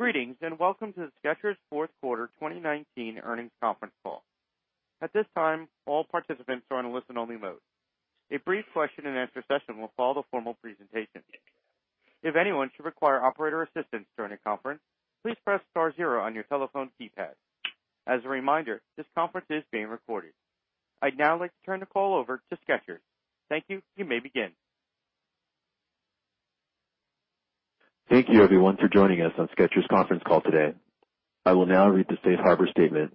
Greetings, and welcome to the Skechers' fourth quarter 2019 earnings conference call. At this time, all participants are in a listen-only mode. A brief question-and-answer session will follow the formal presentation. If anyone should require operator assistance during the conference, please press star zero on your telephone keypad. As a reminder, this conference is being recorded. I'd now like to turn the call over to Skechers. Thank you. You may begin. Thank you, everyone for joining us on Skechers conference call today. I will now read the safe harbor statement.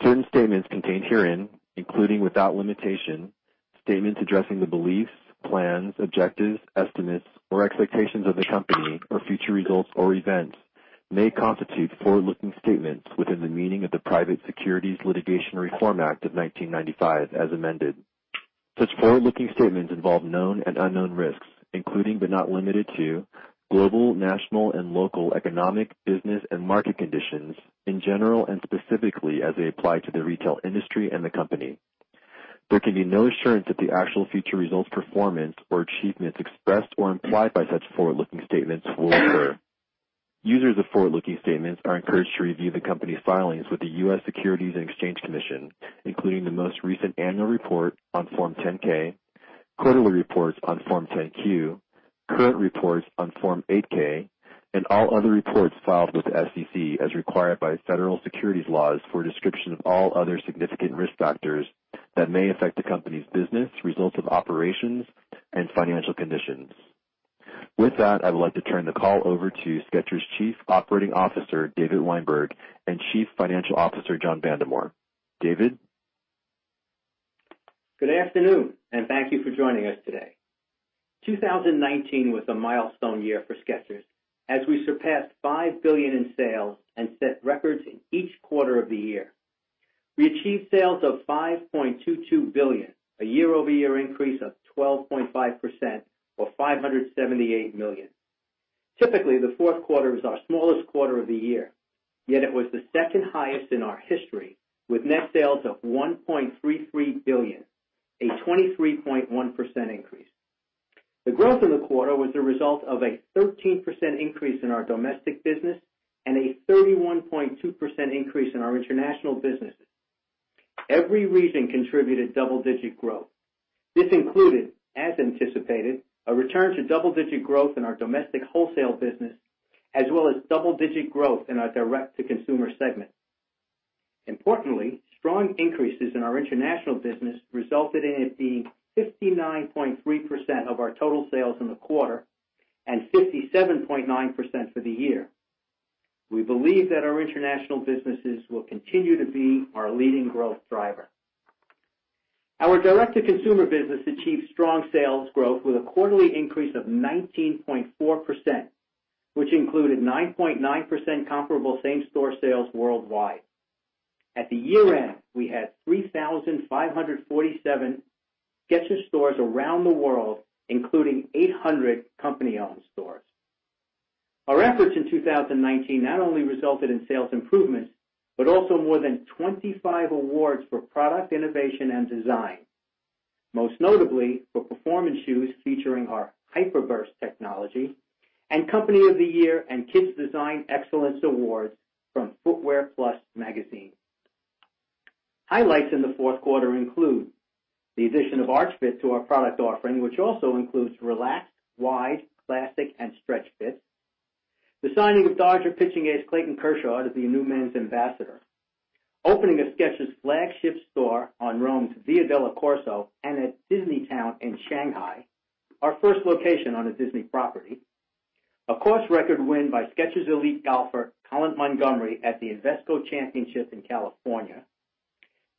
Certain statements contained herein, including without limitation, statements addressing the beliefs, plans, objectives, estimates, or expectations of the company or future results or events may constitute forward-looking statements within the meaning of the Private Securities Litigation Reform Act of 1995 as amended. Such forward-looking statements involve known and unknown risks, including, but not limited to, global, national and local economic business and market conditions in general and specifically as they apply to the retail industry and the company. There can be no assurance that the actual future results, performance or achievements expressed or implied by such forward-looking statements will occur. Users of forward-looking statements are encouraged to review the company's filings with the U.S. Securities and Exchange Commission, including the most recent annual report on Form 10-K, quarterly reports on Form 10-Q, current reports on Form 8-K, and all other reports filed with the SEC as required by federal securities laws for a description of all other significant risk factors that may affect the company's business, results of operations, and financial conditions. With that, I would like to turn the call over to Skechers' Chief Operating Officer, David Weinberg, and Chief Financial Officer, John Vandemore. David? Good afternoon, and thank you for joining us today. 2019 was a milestone year for Skechers as we surpassed $5 billion in sales and set records in each quarter of the year. We achieved sales of $5.22 billion, a year-over-year increase of 12.5% or $578 million. Typically, the fourth quarter is our smallest quarter of the year, yet it was the second highest in our history, with net sales of $1.33 billion, a 23.1% increase. The growth in the quarter was the result of a 13% increase in our domestic business and a 31.2% increase in our international business. Every region contributed double-digit growth. This included, as anticipated, a return to double-digit growth in our domestic wholesale business, as well as double-digit growth in our direct-to-consumer segment. Importantly, strong increases in our international business resulted in it being 59.3% of our total sales in the quarter and 57.9% for the year. We believe that our international businesses will continue to be our leading growth driver. Our direct-to-consumer business achieved strong sales growth with a quarterly increase of 19.4%, which included 9.9% comparable same-store sales worldwide. At the year-end, we had 3,547 Skechers stores around the world, including 800 company-owned stores. Our efforts in 2019 not only resulted in sales improvements, but also more than 25 awards for product innovation and design, most notably for performance shoes featuring our HYPER BURST technology and Company of the Year and Kids Design Excellence awards from Footwear Plus magazine. Highlights in the fourth quarter include the addition of Arch Fit to our product offering, which also includes Relaxed, Wide, Classic, and Stretch Fit. The signing with Dodger pitching ace Clayton Kershaw to be a new men's ambassador. Opening a Skechers flagship store on Rome's Via del Corso and at Disneytown in Shanghai, our first location on a Disney property. A course record win by Skechers Elite golfer, Colin Montgomerie, at the Invesco QQQ Championship in California.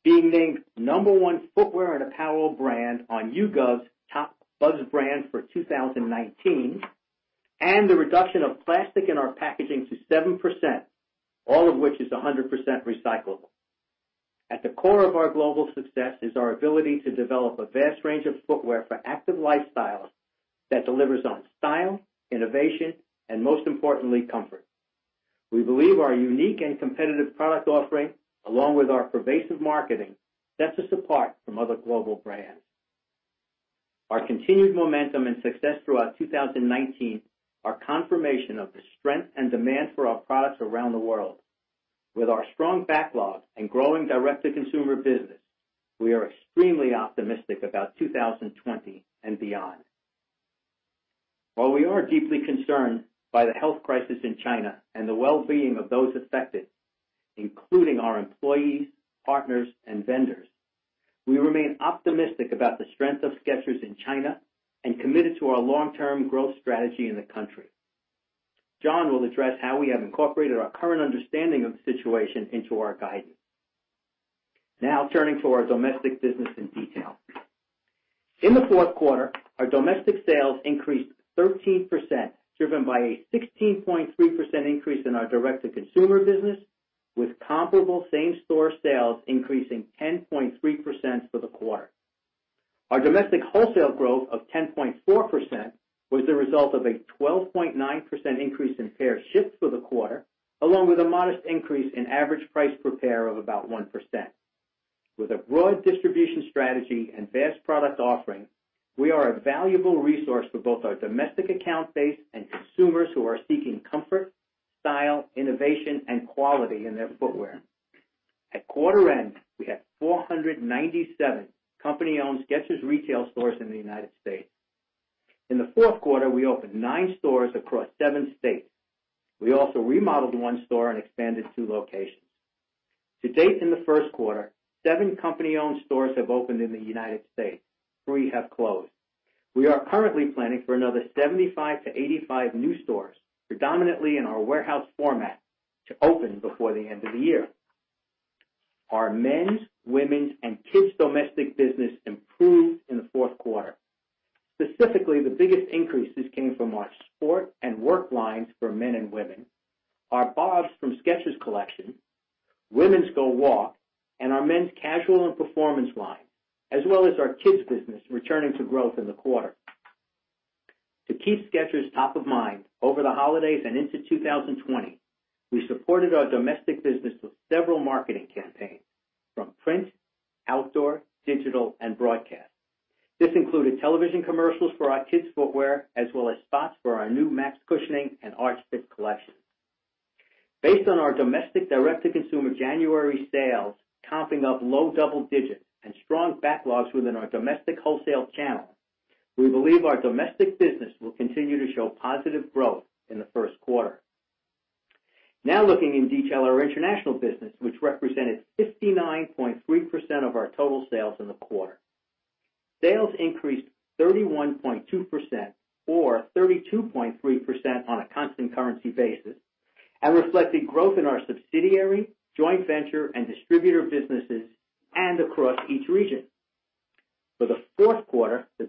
Being named number one footwear and apparel brand on YouGov's Top Buzz Brands for 2019, and the reduction of plastic in our packaging to 7%, all of which is 100% recyclable. At the core of our global success is our ability to develop a vast range of footwear for active lifestyles that delivers on style, innovation, and most importantly, comfort. We believe our unique and competitive product offering, along with our pervasive marketing, sets us apart from other global brands. Our continued momentum and success throughout 2019 are confirmation of the strength and demand for our products around the world. With our strong backlog and growing direct-to-consumer business, we are extremely optimistic about 2020 and beyond. While we are deeply concerned by the health crisis in China and the well-being of those affected, including our employees, partners, and vendors, we remain optimistic about the strength of Skechers in China and committed to our long-term growth strategy in the country. John will address how we have incorporated our current understanding of the situation into our guidance. Turning to our domestic business in detail. In the fourth quarter, our domestic sales increased 13%, driven by a 16.3% increase in our direct-to-consumer business, with comparable same-store sales increasing 10.3% for the quarter. Our domestic wholesale growth of 10.4% was the result of a 12.9% increase in pair shifts for the quarter, along with a modest increase in average price per pair of about 1%. With a broad distribution strategy and vast product offering, we are a valuable resource for both our domestic account base and consumers who are seeking comfort, style, innovation, and quality in their footwear. At quarter end, we had 497 company-owned Skechers retail stores in the U.S. In the fourth quarter, we opened nine stores across seven states. We also remodeled one store and expanded two locations. To date, in the first quarter, seven company-owned stores have opened in the U.S., three have closed. We are currently planning for another 75-85 new stores, predominantly in our warehouse format, to open before the end of the year. Our men's, women's, and kids' domestic business improved in the fourth quarter. Specifically, the biggest increases came from our sport and work lines for men and women. Our BOBS from Skechers collection, Women's GO WALK, and our men's casual and performance line, as well as our kids business returning to growth in the quarter. To keep Skechers top of mind over the holidays and into 2020, we supported our domestic business with several marketing campaigns, from print, outdoor, digital, and broadcast. This included television commercials for our kids' footwear, as well as spots for our new Max Cushioning and Arch Fit collection. Based on our domestic direct-to-consumer January sales, comping up low double digits and strong backlogs within our domestic wholesale channel, we believe our domestic business will continue to show positive growth in the first quarter. Looking in detail our international business, which represented 59.3% of our total sales in the quarter. Sales increased 31.2% or 32.3% on a constant currency basis, reflecting growth in our subsidiary, joint venture, and distributor businesses, and across each region. For the fourth quarter, the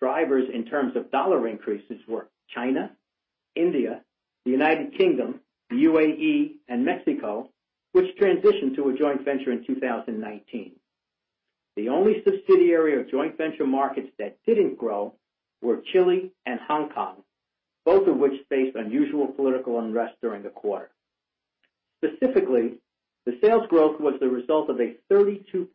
biggest drivers in terms of dollar increases were China, India, the United Kingdom, the UAE, and Mexico, which transitioned to a joint venture in 2019. The only subsidiary of joint venture markets that didn't grow were Chile and Hong Kong, both of which faced unusual political unrest during the quarter. Specifically, the sales growth was the result of a 32.8%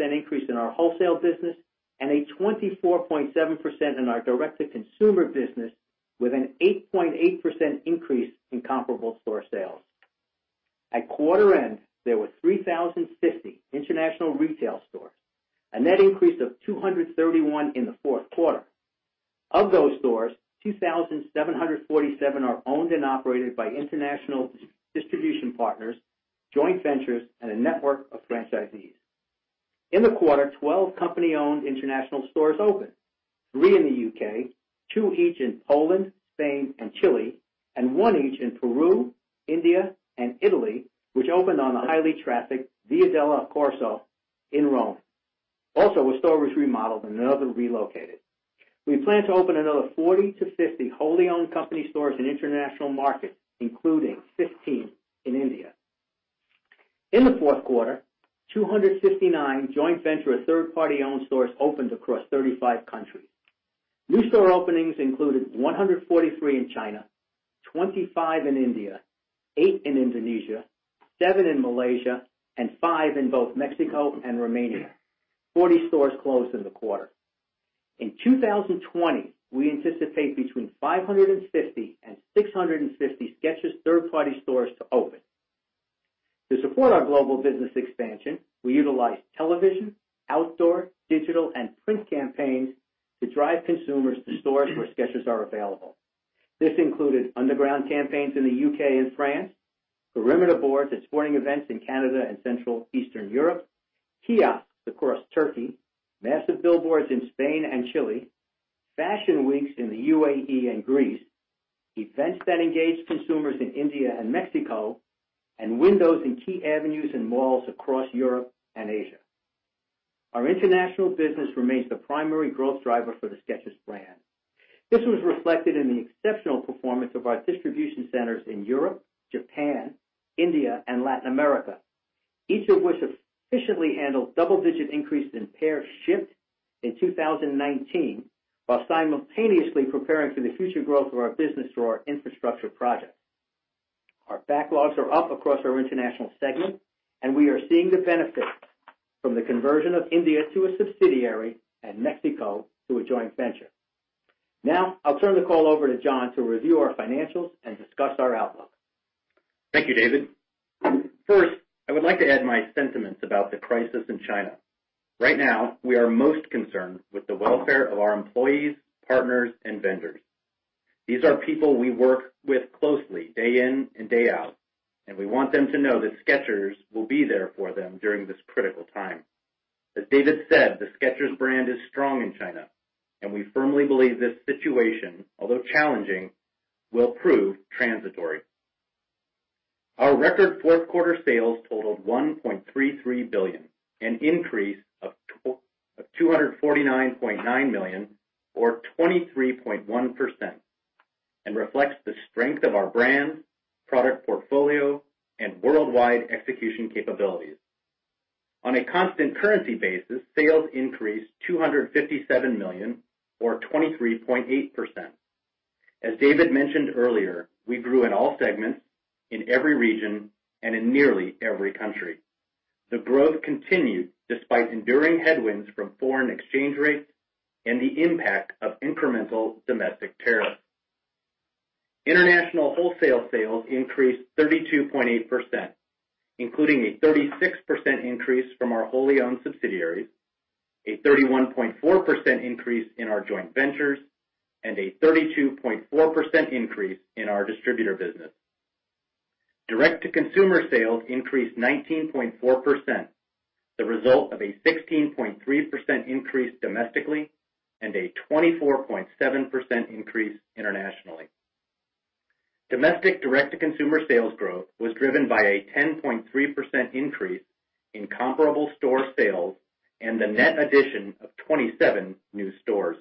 increase in our wholesale business and a 24.7% in our direct-to-consumer business with an 8.8% increase in comparable store sales. At quarter end, there were 3,050 international retail stores, a net increase of 231 in the fourth quarter. Of those stores, 2,747 are owned and operated by international distribution partners, joint ventures, and a network of franchisees. In the quarter, 12 company-owned international stores opened, three in the U.K., two each in Poland, Spain, and Chile, and one each in Peru, India, and Italy, which opened on a highly trafficked Via del Corso in Rome. Also, a store was remodeled and another relocated. We plan to open another 40-50 wholly owned company stores in international markets, including 15 in India. In the fourth quarter, 259 joint venture or third-party owned stores opened across 35 countries. New store openings included 143 in China, 25 in India, eight in Indonesia, seven in Malaysia, and five in both Mexico and Romania. 40 stores closed in the quarter. In 2020, we anticipate between 550-650 Skechers third-party stores to open. To support our global business expansion, we utilized television, outdoor, digital, and print campaigns to drive consumers to stores where Skechers are available. This included underground campaigns in the U.K. and France, perimeter boards at sporting events in Canada and Central Eastern Europe, kiosks across Turkey, massive billboards in Spain and Chile, fashion weeks in the U.A.E. and Greece, events that engaged consumers in India and Mexico, and windows in key avenues and malls across Europe and Asia. Our international business remains the primary growth driver for the Skechers brand. This was reflected in the exceptional performance of our distribution centers in Europe, Japan, India, and Latin America, each of which efficiently handled double-digit increases in pairs shipped in 2019 while simultaneously preparing for the future growth of our business through our infrastructure projects. Our backlogs are up across our international segment, and we are seeing the benefits from the conversion of India to a subsidiary and Mexico to a joint venture. Now, I'll turn the call over to John to review our financials and discuss our outlook. Thank you, David. First, I would like to add my sentiments about the crisis in China. Right now, we are most concerned with the welfare of our employees, partners, and vendors. These are people we work with closely day in and day out, and we want them to know that Skechers will be there for them during this critical time. As David said, the Skechers brand is strong in China, and we firmly believe this situation, although challenging, will prove transitory. Our record fourth quarter sales totaled $1.33 billion, an increase of $249.9 million or 23.1%, and reflects the strength of our brand, product portfolio, and worldwide execution capabilities. On a constant currency basis, sales increased $257 million or 23.8%. As David mentioned earlier, we grew in all segments, in every region, and in nearly every country. The growth continued despite enduring headwinds from foreign exchange rates and the impact of incremental domestic tariffs. International wholesale sales increased 32.8%, including a 36% increase from our wholly owned subsidiaries, a 31.4% increase in our joint ventures, and a 32.4% increase in our distributor business. Direct-to-consumer sales increased 19.4%, the result of a 16.3% increase domestically and a 24.7% increase internationally. Domestic direct-to-consumer sales growth was driven by a 10.3% increase in comparable store sales and the net addition of 27 new stores.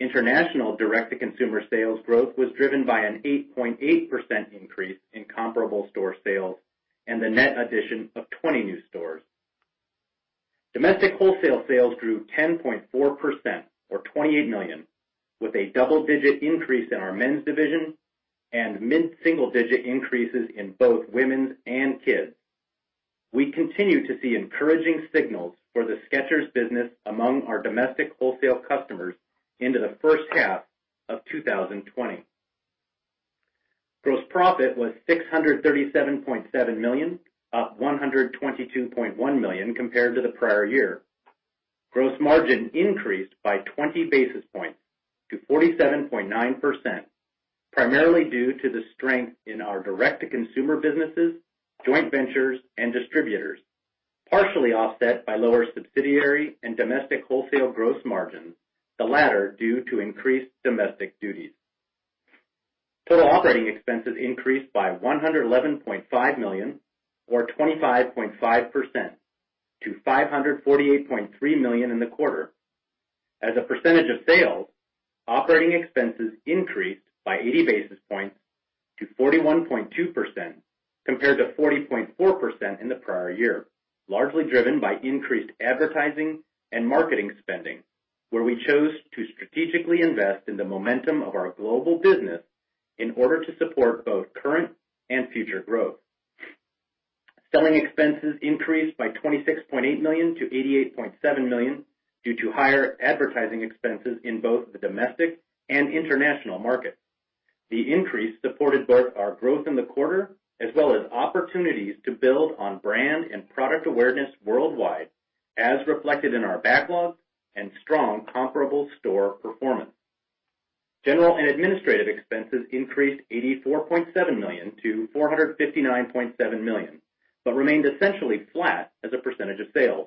International direct-to-consumer sales growth was driven by an 8.8% increase in comparable store sales and the net addition of 20 new stores. Domestic wholesale sales grew 10.4%, or $28 million, with a double-digit increase in our men's division and mid-single-digit increases in both women's and kids. We continue to see encouraging signals for the Skechers business among our domestic wholesale customers into the first half of 2020. Gross profit was $637.7 million, up $122.1 million compared to the prior year. Gross margin increased by 20 basis points to 47.9%, primarily due to the strength in our direct-to-consumer businesses, joint ventures, and distributors, partially offset by lower subsidiary and domestic wholesale gross margin, the latter due to increased domestic duties. Total operating expenses increased by $111.5 million, or 25.5%, to $548.3 million in the quarter. As a percentage of sales, operating expenses increased by 80 basis points to 41.2% compared to 40.4% in the prior year, largely driven by increased advertising and marketing spending, where we chose to strategically invest in the momentum of our global business in order to support both current and future growth. Selling expenses increased by $26.8 million to $88.7 million due to higher advertising expenses in both the domestic and international markets. The increase supported both our growth in the quarter as well as opportunities to build on brand and product awareness worldwide, as reflected in our backlog and strong comparable store performance. General and administrative expenses increased $84.7 million to $459.7 million, but remained essentially flat as a percentage of sales.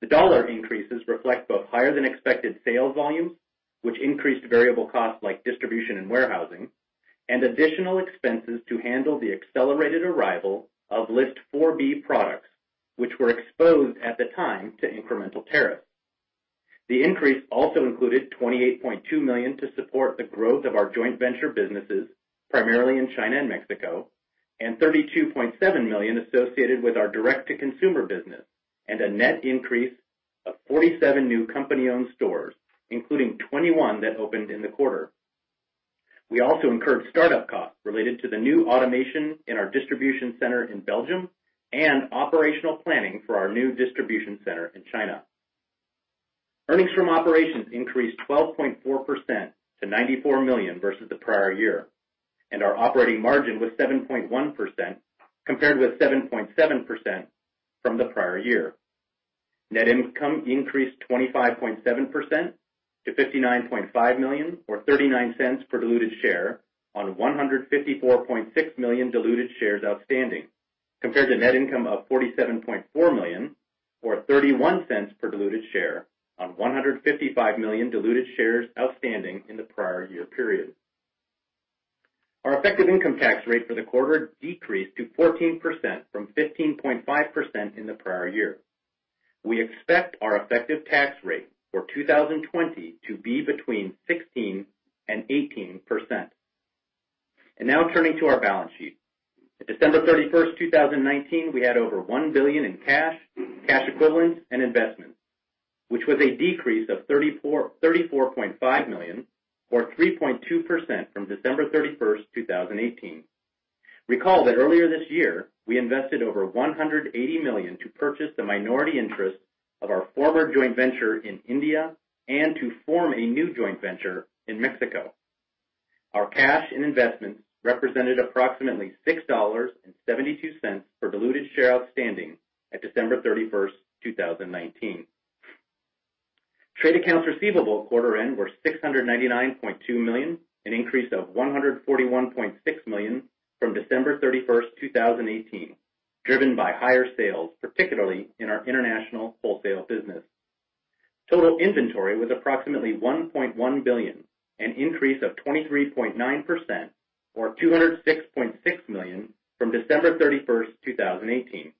The dollar increases reflect both higher-than-expected sales volumes, which increased variable costs like distribution and warehousing, and additional expenses to handle the accelerated arrival of List 4B products, which were exposed at the time to incremental tariffs. The increase also included $28.2 million to support the growth of our joint venture businesses, primarily in China and Mexico, and $32.7 million associated with our direct-to-consumer business, and a net increase of 47 new company-owned stores, including 21 that opened in the quarter. We also incurred startup costs related to the new automation in our distribution center in Belgium and operational planning for our new distribution center in China. Earnings from operations increased 12.4% to $94 million versus the prior year, and our operating margin was 7.1% compared with 7.7% from the prior year. Net income increased 25.7% to $59.5 million, or $0.39 per diluted share, on 154.6 million diluted shares outstanding, compared to net income of $47.4 million, or $0.31 per diluted share, on 155 million diluted shares outstanding in the prior year period. Our effective income tax rate for the quarter decreased to 14% from 15.5% in the prior year. We expect our effective tax rate for 2020 to be between 16% and 18%. Now turning to our balance sheet. At December 31st, 2019, we had over $1 billion in cash equivalents, and investments, which was a decrease of $34.5 million, or 3.2% from December 31st, 2018. Recall that earlier this year, we invested over $180 million to purchase the minority interest of our former joint venture in India and to form a new joint venture in Mexico. Our cash and investments represented approximately $6.72 per diluted share outstanding at December 31st, 2019. Trade accounts receivable at quarter end were $699.2 million, an increase of $141.6 million from December 31st, 2018, driven by higher sales, particularly in our international wholesale business. Total inventory was approximately $1.1 billion, an increase of 23.9%, or $206.6 million, from December 31, 2018.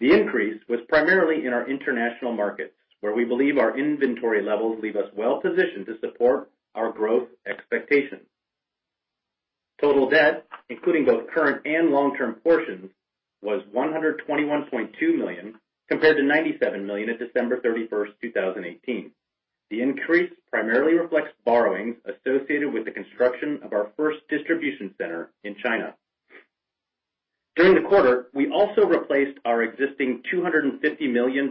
The increase was primarily in our international markets, where we believe our inventory levels leave us well positioned to support our growth expectations. Total debt, including both current and long-term portions, was $121.2 million compared to $97 million at December 31, 2018. The increase primarily reflects borrowings associated with the construction of our first distribution center in China. During the quarter, we also replaced our existing $250 million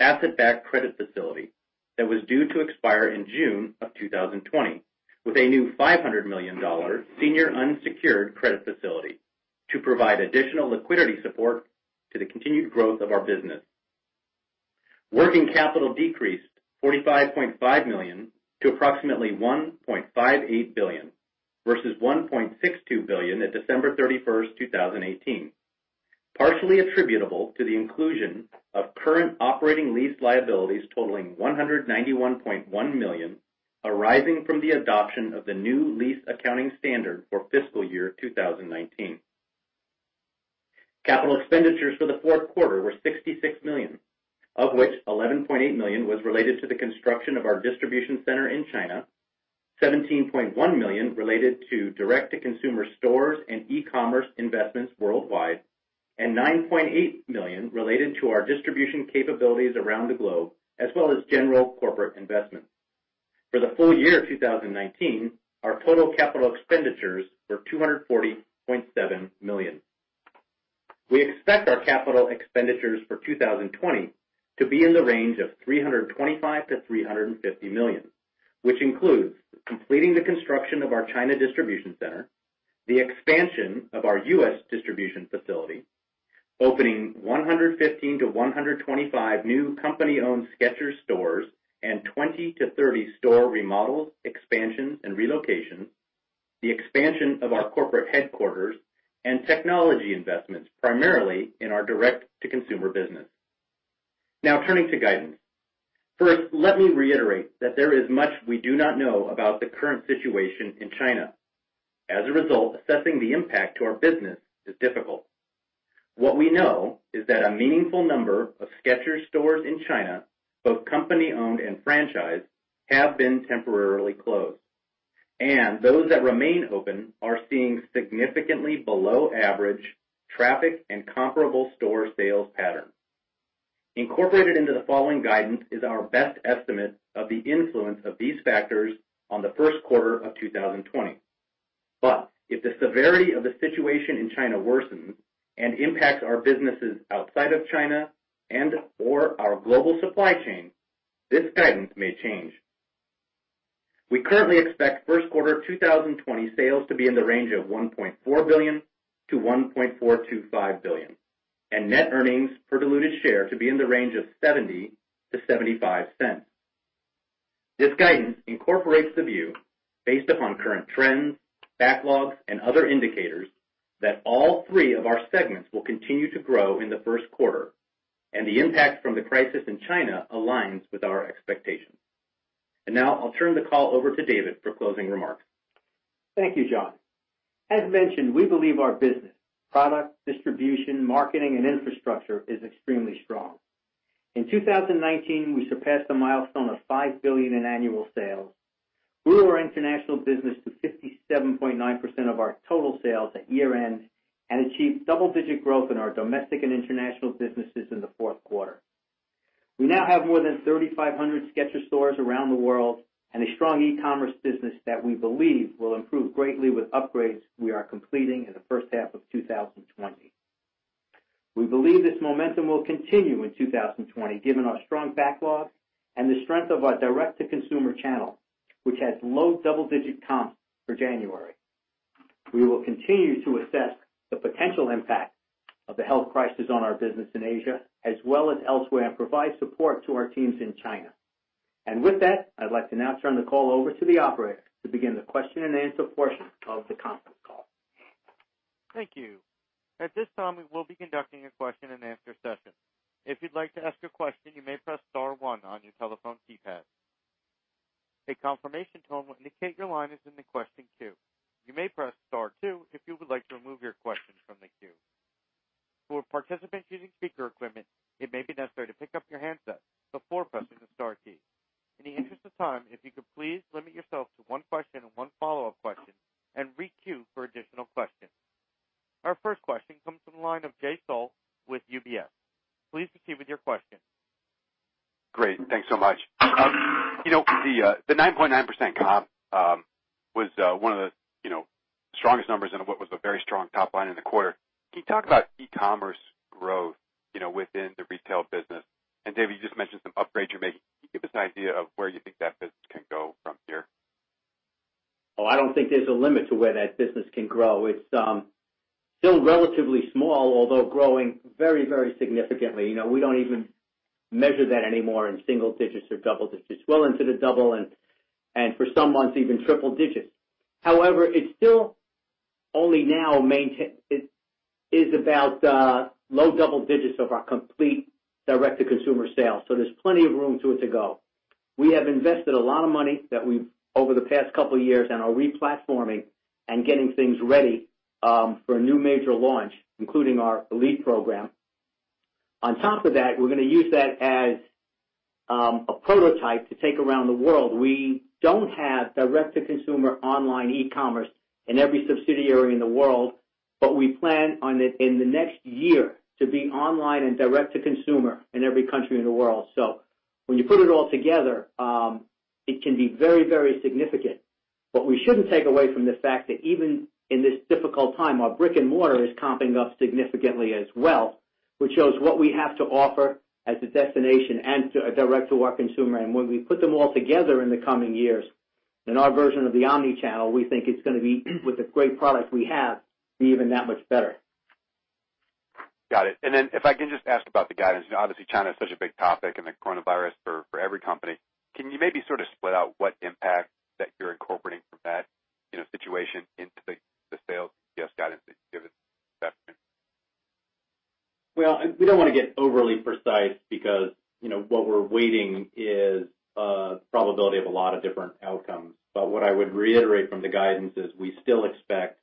asset-backed credit facility that was due to expire in June 2020 with a new $500 million senior unsecured credit facility to provide additional liquidity support to the continued growth of our business. Working capital decreased $45.5 million to approximately $1.58 billion, versus $1.62 billion at December 31, 2018, partially attributable to the inclusion of current operating lease liabilities totaling $191.1 million, arising from the adoption of the new lease accounting standard for fiscal year 2019. Capital expenditures for the fourth quarter were $66 million, of which $11.8 million was related to the construction of our distribution center in China, $17.1 million related to direct-to-consumer stores and e-commerce investments worldwide, and $9.8 million related to our distribution capabilities around the globe, as well as general corporate investments. For the full year of 2019, our total capital expenditures were $240.7 million. We expect our capital expenditures for 2020 to be in the range of $325 million-$350 million, which includes completing the construction of our China distribution center, the expansion of our U.S. distribution facility, opening 115-125 new company-owned Skechers stores and 20-30 store remodels, expansions, and relocations, the expansion of our corporate headquarters, and technology investments, primarily in our direct-to-consumer business. Turning to guidance. First, let me reiterate that there is much we do not know about the current situation in China. As a result, assessing the impact to our business is difficult. What we know is that a meaningful number of Skechers stores in China, both company-owned and franchise, have been temporarily closed, and those that remain open are seeing significantly below average traffic and comparable store sales patterns. Incorporated into the following guidance is our best estimate of the influence of these factors on the first quarter of 2020. If the severity of the situation in China worsens and impacts our businesses outside of China and/or our global supply chain, this guidance may change. We currently expect first quarter of 2020 sales to be in the range of $1.4 billion-$1.425 billion, and net earnings per diluted share to be in the range of $0.70-$0.75. This guidance incorporates the view based upon current trends, backlogs, and other indicators that all three of our segments will continue to grow in the first quarter, and the impact from the crisis in China aligns with our expectations. Now I'll turn the call over to David for closing remarks. Thank you, John. As mentioned, we believe our business, product, distribution, marketing, and infrastructure is extremely strong. In 2019, we surpassed the milestone of $5 billion in annual sales, grew our international business to 57.9% of our total sales at year-end, and achieved double-digit growth in our domestic and international businesses in the fourth quarter. We now have more than 3,500 Skechers stores around the world and a strong e-commerce business that we believe will improve greatly with upgrades we are completing in the first half of 2020. We believe this momentum will continue in 2020, given our strong backlog and the strength of our direct-to-consumer channel, which has low double-digit comps for January. We will continue to assess the potential impact of the health crisis on our business in Asia, as well as elsewhere, and provide support to our teams in China. With that, I'd like to now turn the call over to the operator to begin the question and answer portion of the conference call. Thank you. At this time, we will be conducting a question and answer session. If you'd like to ask a question, you may press star 1 on your telephone keypad. The confirmation tone will indicate that your line is in the question queue. You may press star 2 if you would like to remove your question from the queue. For participants using speaker equipment, it may be necessary to pick up your handset before pressing the star key. In the interest of time, if you could please limit yourself to one question and one follow-up question, and re-queue for additional questions. Our first question comes from the line of Jay Sole with UBS. Please proceed with your question. Great. Thanks so much. You know, the 9.9% comp was one of the strongest numbers in what was a very strong top line in the quarter. Can you talk about e-commerce growth, you know, within the retail business? David, you just mentioned some upgrades you're making. Can you give us an idea of where you think that business can go from here? I don't think there's a limit to where that business can grow. It's still relatively small, although growing very, very significantly. You know, we don't even measure that anymore in single digits or double digits. Well into the double and for some months, even triple digits. However, it's still only now it is about low double digits of our complete direct-to-consumer sales, so there's plenty of room to it to go. We have invested a lot of money that we've over the past couple of years and are re-platforming and getting things ready for a new major launch, including our Elite program. On top of that, we're gonna use that as a prototype to take around the world. We don't have direct-to-consumer online e-commerce in every subsidiary in the world, but we plan on it in the next year to be online and direct-to-consumer in every country in the world. When you put it all together, it can be very, very significant. We shouldn't take away from the fact that even in this difficult time, our brick-and-mortar is comping up significantly as well, which shows what we have to offer as a destination and to a direct to our consumer. When we put them all together in the coming years, in our version of the omnichannel, we think it's gonna be, with the great product we have, be even that much better. Got it. If I can just ask about the guidance. Obviously, China is such a big topic and the coronavirus for every company. Can you maybe sort of split out what impact that you're incorporating from that, you know, situation into the sales guidance that you gave us this afternoon? Well, we don't wanna get overly precise because, you know, what we're waiting is a probability of a lot of different outcomes. What I would reiterate from the guidance is we still expect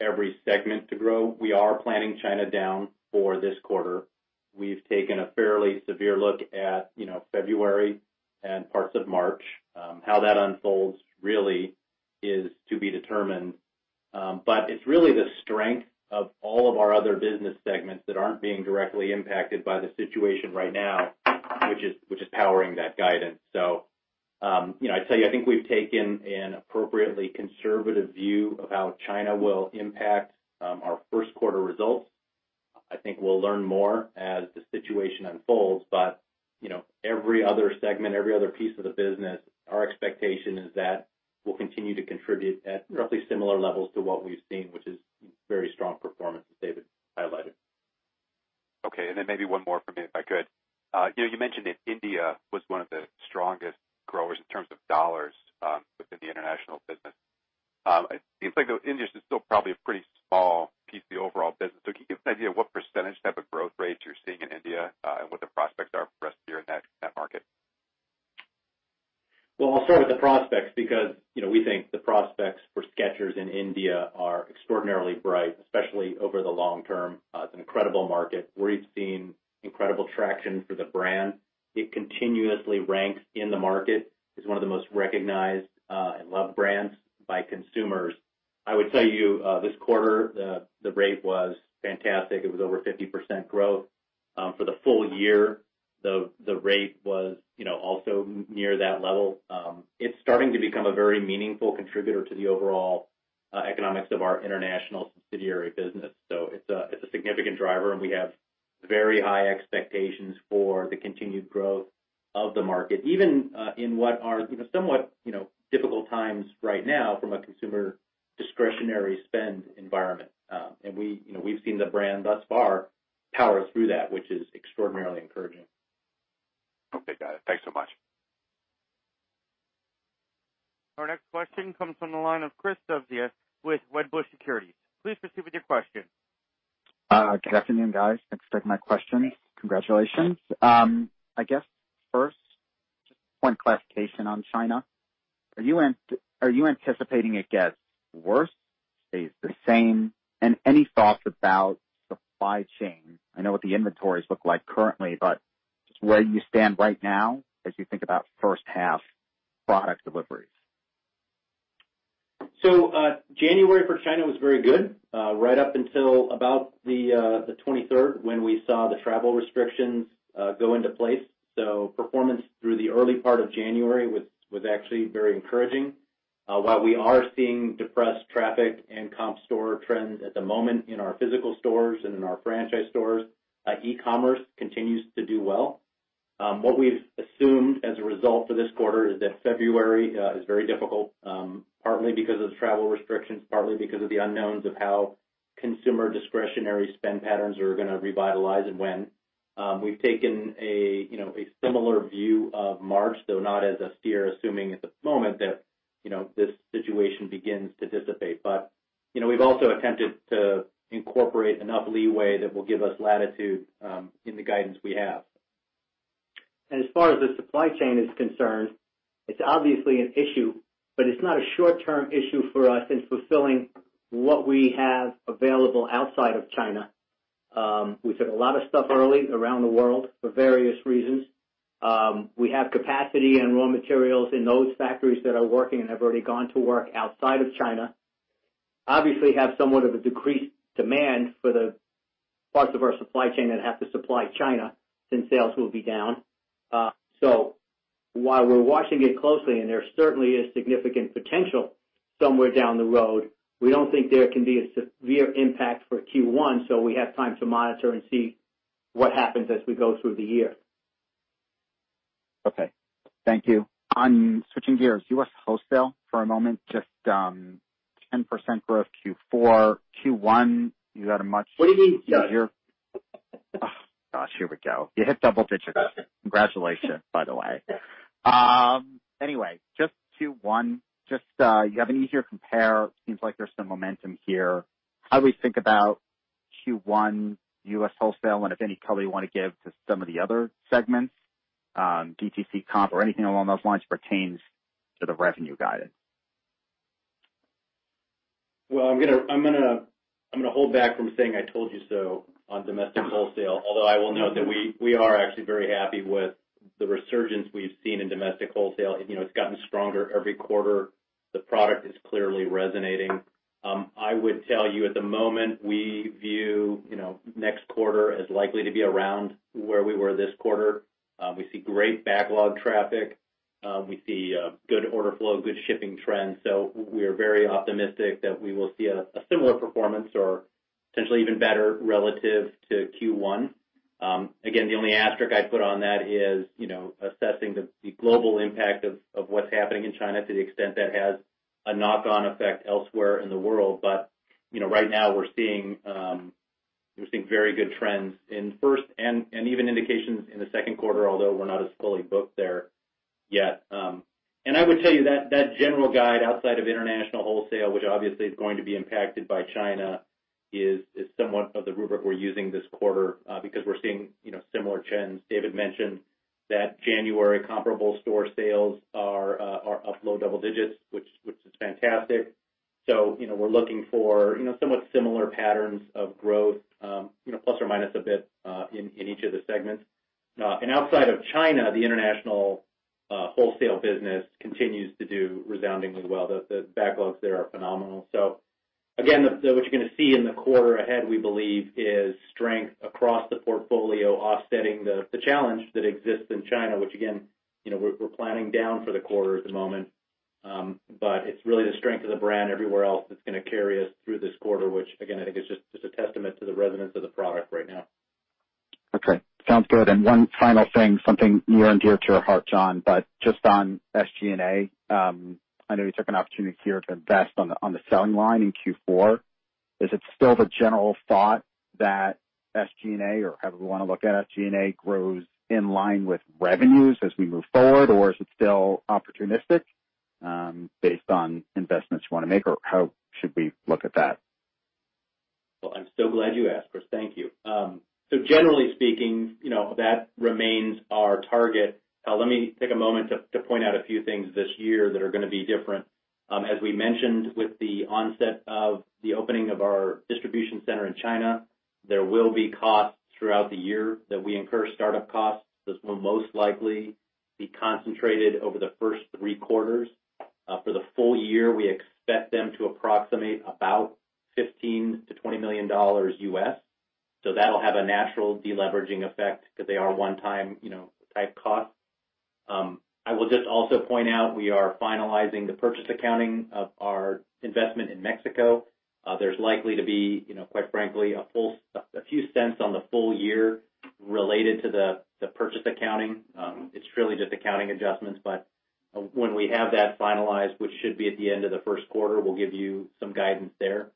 every segment to grow. We are planning China down for this quarter. We've taken a fairly severe look at, you know, February and parts of March. How that unfolds really is to be determined. It's really the strength of all of our other business segments that aren't being directly impacted by the situation right now, which is powering that guidance. I'd tell you, I think we've taken an appropriately conservative view of how China will impact our first quarter results. I think we'll learn more as the situation unfolds, you know, every other segment, every other piece of the business, our expectation is that we'll continue to contribute at roughly similar levels to what we've seen, which is very strong performance as David highlighted. Okay. Then maybe one more from me, if I could. You know, you mentioned that India was 1 of the strongest growers in terms of dollars within the international business. It seems like though India is still probably a pretty small piece of the overall business. Can you give an idea what percentage type of growth rates you're seeing in India, and what the prospects are for rest of the year in that market? Well, I'll start with the prospects because, you know, we think the prospects for Skechers in India are extraordinarily bright, especially over the long term. It's an incredible market. We've seen incredible traction for the brand. It continuously ranks in the market as one of the most recognized and loved brands by consumers. I would tell you, this quarter, the rate was fantastic. It was over 50% growth. For the full year, the rate was, you know, also near that level. It's starting to become a very meaningful contributor to the overall economics of our international subsidiary business. It's a significant driver, and we have very high expectations for the continued growth of the market, even in what are, you know, somewhat, you know, difficult times right now from a consumer discretionary spend environment. We, you know, we've seen the brand thus far power through that, which is extraordinarily encouraging. Okay, got it. Thanks so much. Our next question comes from the line of Christopher Svezia with Wedbush Securities. Please proceed with your question. Good afternoon, guys. Thanks for taking my questions. Congratulations. I guess first, just one clarification on China. Are you anticipating it gets worse, stays the same? Any thoughts about supply chain? I know what the inventories look like currently, but just where you stand right now as you think about first half product deliveries. January for China was very good, right up until about the 23rd, when we saw the travel restrictions go into place. Performance through the early part of January was actually very encouraging. While we are seeing depressed traffic and comp store trends at the moment in our physical stores and in our franchise stores, e-commerce continues to do well. What we've assumed as a result for this quarter is that February is very difficult, partly because of the travel restrictions, partly because of the unknowns of how consumer discretionary spend patterns are gonna revitalize and when. We've taken a, you know, a similar view of March, though not as a steer, assuming at the moment that, you know, this situation begins to dissipate. You know, we've also attempted to incorporate enough leeway that will give us latitude in the guidance we have. As far as the supply chain is concerned, it's obviously an issue, but it's not a short-term issue for us in fulfilling what we have available outside of China. We took a lot of stuff early around the world for various reasons. We have capacity and raw materials in those factories that are working and have already gone to work outside of China. Obviously, we have somewhat of a decreased demand for the parts of our supply chain that have to supply China since sales will be down. While we're watching it closely, and there certainly is significant potential somewhere down the road, we don't think there can be a severe impact for Q1, so we have time to monitor and see what happens as we go through the year. Okay. Thank you. I'm switching gears. U.S. wholesale for a moment, just 10% growth Q4. Q1, you had a much- What do you mean? Sorry. Oh, gosh, here we go. You hit double digits. Got it. Congratulations, by the way. Anyway, just Q1. You have an easier compare. Seems like there's some momentum here. How do we think about Q1 U.S. wholesale, and if any color you wanna give to some of the other segments, DTC comp or anything along those lines pertains to the revenue guidance? Well, I'm gonna hold back from saying I told you so on domestic wholesale, although I will note that we are actually very happy with the resurgence we've seen in domestic wholesale. You know, it's gotten stronger every quarter. The product is clearly resonating. I would tell you at the moment, we view, you know, next quarter as likely to be around where we were this quarter. We see great backlog traffic. We see good order flow, good shipping trends. We are very optimistic that we will see a similar performance or potentially even better relative to Q1. Again, the only asterisk I'd put on that is, you know, assessing the global impact of what's happening in China to the extent that has a knock-on effect elsewhere in the world. You know, right now we're seeing very good trends in first and even indications in the second quarter, although we're not as fully booked there yet. I would tell you that that general guide outside of international wholesale, which obviously is going to be impacted by China, is somewhat of the rubric we're using this quarter, because we're seeing, you know, similar trends. David mentioned that January comparable store sales are up low double-digits, which is fantastic. You know, we're looking for, you know, somewhat similar patterns of growth, you know, plus or minus a bit, in each of the segments. Outside of China, the international wholesale business continues to do resoundingly well. The backlogs there are phenomenal. Again, what you're going to see in the quarter ahead, we believe, is strength across the portfolio offsetting the challenge that exists in China, which again, you know, we're planning down for the quarter at the moment. It's really the strength of the brand everywhere else that's going to carry us through this quarter, which again, I think is just a testament to the resonance of the product right now. Okay. Sounds good. One final thing, something near and dear to your heart, John, but just on SG&A. I know you took an opportunity here to invest on the, on the selling line in Q4. Is it still the general thought that SG&A or however we wanna look at SG&A grows in line with revenues as we move forward, or is it still opportunistic, based on investments you wanna make, or how should we look at that? I'm so glad you asked, Christopher Svezia. Thank you. Generally speaking, you know, that remains our target. Let me take a moment to point out a few things this year that are gonna be different. As we mentioned, with the onset of the opening of our distribution center in China, there will be costs throughout the year that we incur startup costs. Those will most likely be concentrated over the first three quarters. For the full year, we expect them to approximate about $15 million-$20 million. That'll have a natural deleveraging effect because they are one-time, you know, type costs. I will just also point out we are finalizing the purchase accounting of our investment in Mexico. There's likely to be, quite frankly, a few cents on the full year related to the purchase accounting. It's really just accounting adjustments, but when we have that finalized, which should be at the end of the first quarter, we'll give you some guidance there.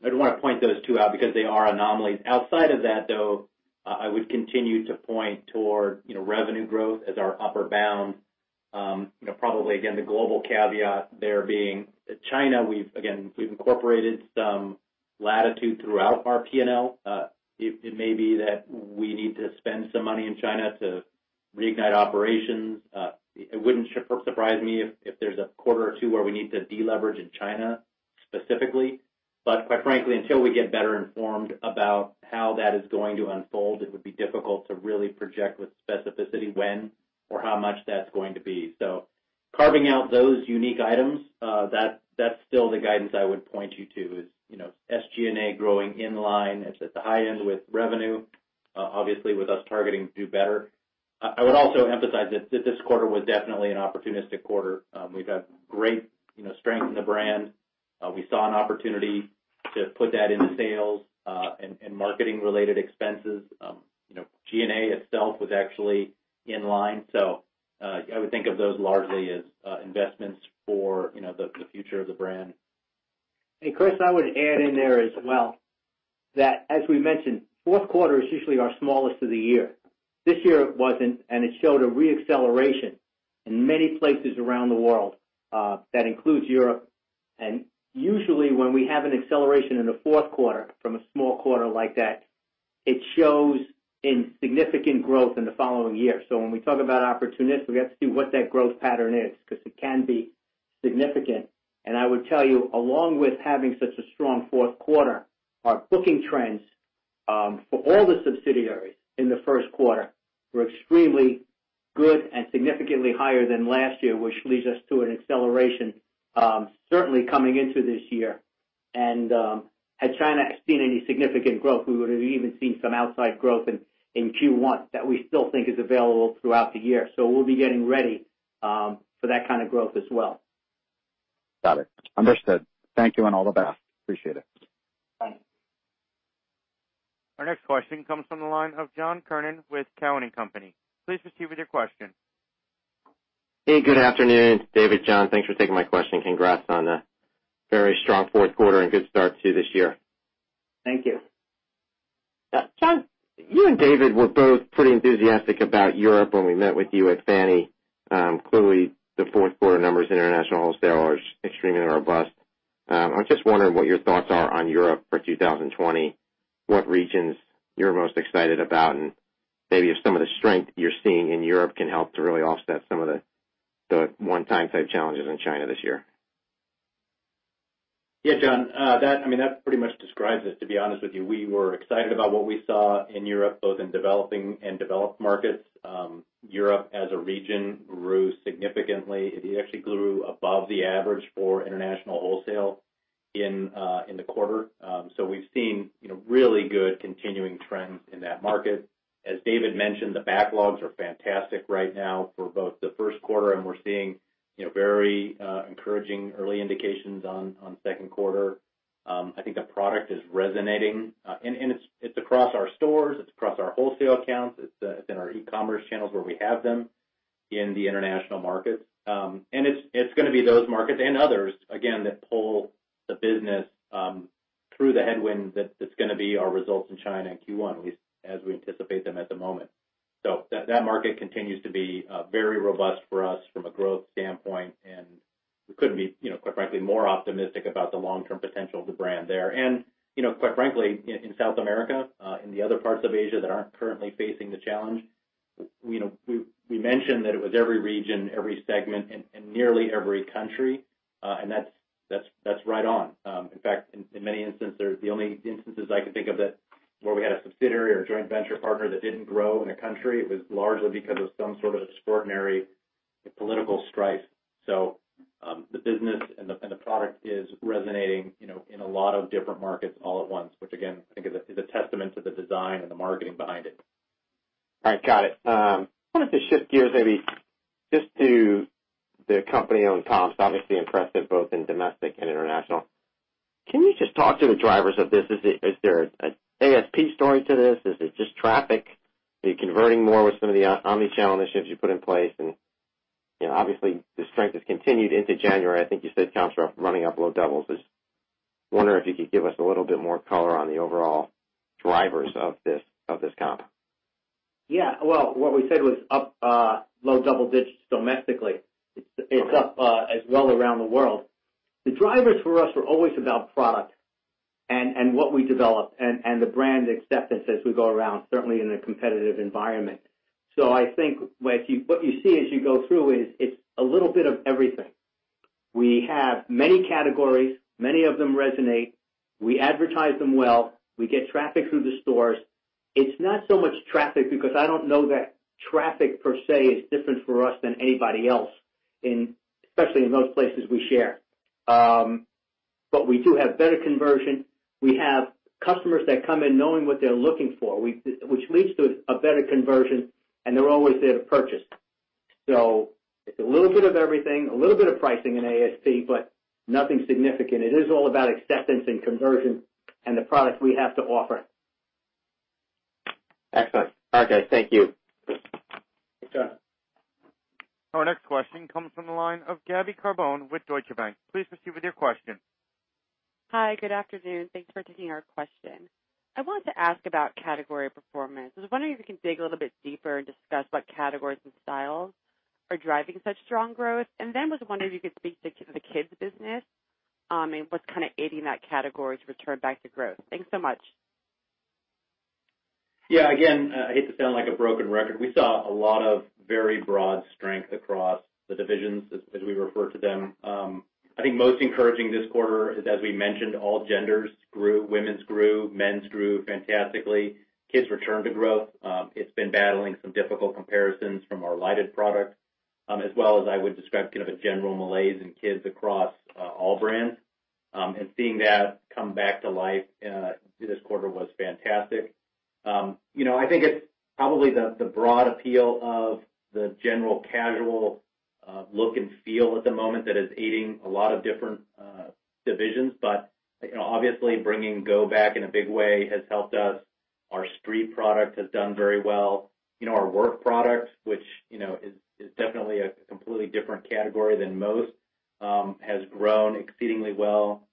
I did wanna point those two out because they are anomalies. Outside of that, though, I would continue to point toward revenue growth as our upper bound. Probably again, the global caveat there being China. Again, we've incorporated some latitude throughout our P&L. It may be that we need to spend some money in China to reignite operations. It wouldn't surprise me if there's a quarter or two where we need to deleverage in China specifically. Quite frankly, until we get better informed about how that is going to unfold, it would be difficult to really project with specificity when or how much that's going to be. Carving out those unique items, that's still the guidance I would point you to is, you know, SG&A growing in line. It's at the high end with revenue, obviously with us targeting to do better. I would also emphasize that this quarter was definitely an opportunistic quarter. We've had great, you know, strength in the brand. We saw an opportunity to put that into sales and marketing related expenses. You know, G&A itself was actually in line. I would think of those largely as investments for, you know, the future of the brand. Chris, I would add in there as well that as we mentioned, fourth quarter is usually our smallest of the year. This year it wasn't, it showed a re-acceleration in many places around the world, that includes Europe. Usually, when we have an acceleration in the fourth quarter from a small quarter like that, it shows in significant growth in the following year. When we talk about opportunistic, we have to see what that growth pattern is because it can be significant. I would tell you, along with having such a strong fourth quarter, our booking trends, for all the subsidiaries in the first quarter were extremely good and significantly higher than last year, which leads us to an acceleration, certainly coming into this year. Had China seen any significant growth, we would have even seen some outside growth in Q1 that we still think is available throughout the year. We'll be getting ready for that kind of growth as well. Got it. Understood. Thank you and all the best. Appreciate it. Bye. Our next question comes from the line of John Kernan with Cowen and Company. Please proceed with your question. Hey, good afternoon, David, John. Thanks for taking my question. Congrats on a very strong fourth quarter and good start to this year. Thank you. John, you and David were both pretty enthusiastic about Europe when we met with you at FN PLATFORM. Clearly, the fourth quarter numbers international wholesale are extremely robust. I was just wondering what your thoughts are on Europe for 2020, what regions you're most excited about, Maybe if some of the strength you're seeing in Europe can help to really offset some of the one-time type challenges in China this year. Yeah, John, I mean, that pretty much describes it, to be honest with you. We were excited about what we saw in Europe, both in developing and developed markets. Europe as a region grew significantly. It actually grew above the average for international wholesale in the quarter. We've seen, you know, really good continuing trends in that market. As David mentioned, the backlogs are fantastic right now for both the first quarter and we're seeing, you know, very encouraging early indications on second quarter. I think the product is resonating, and it's across our stores, it's across our wholesale accounts, it's in our e-commerce channels where we have them in the international markets. It's gonna be those markets and others, again, that pull the business through the headwinds that it's gonna be our results in China in Q1 as we anticipate them at the moment. That market continues to be very robust for us from a growth standpoint, and we couldn't be, you know, quite frankly, more optimistic about the long-term potential of the brand there. You know, quite frankly, in South America, in the other parts of Asia that aren't currently facing the challenge, you know, we mentioned that it was every region, every segment, and nearly every country, and that's right on. In fact, in many instances, the only instances I can think of that where we had a subsidiary or joint venture partner that didn't grow in a country, it was largely because of some sort of extraordinary political strife. The business and the product is resonating, you know, in a lot of different markets all at once, which again, I think is a testament to the design and the marketing behind it. All right. Got it. I wanted to shift gears maybe just to the company-owned comps, obviously impressive both in domestic and international. Can you just talk to the drivers of this? Is there an ASP story to this? Is it just traffic? Are you converting more with some of the omnichannel initiatives you put in place? You know, obviously, the strength has continued into January. I think you said comps are up, running up low doubles. Just wondering if you could give us a little bit more color on the overall drivers of this comp. What we said was up low double digits domestically. It's up as well around the world. The drivers for us are always about product and what we develop and the brand acceptance as we go around, certainly in a competitive environment. I think what you see as you go through is it's a little bit of everything. We have many categories. Many of them resonate. We advertise them well. We get traffic through the stores. It's not so much traffic because I don't know that traffic per se is different for us than anybody else in, especially in those places we share. We do have better conversion. We have customers that come in knowing what they're looking for. Which leads to a better conversion, they're always there to purchase. It's a little bit of everything, a little bit of pricing in ASP, but nothing significant. It is all about acceptance and conversion and the products we have to offer. Excellent. Okay. Thank you. Thanks, John. Our next question comes from the line of Gabriella Carbone with Deutsche Bank. Please proceed with your question. Hi. Good afternoon. Thanks for taking our question. I wanted to ask about category performance. I was wondering if you can dig a little bit deeper and discuss what categories and styles are driving such strong growth. Then I was wondering if you could speak to the kids business and what's kind of aiding that category to return back to growth. Thanks so much. Yeah. Again, I hate to sound like a broken record. We saw a lot of very broad strength across the divisions as we refer to them. I think most encouraging this quarter is, as we mentioned, all genders grew, women's grew, men's grew fantastically. Kids returned to growth. It's been battling some difficult comparisons from our lighted products, as well as I would describe kind of a general malaise in kids across all brands. Seeing that come back to life this quarter was fantastic. You know, I think it's probably the broad appeal of the general casual look and feel at the moment that is aiding a lot of different divisions. You know, obviously bringing GO back in a big way has helped us. Our street product has done very well. You know, our work product, which, you know, is definitely a completely different category than most, has grown exceedingly well.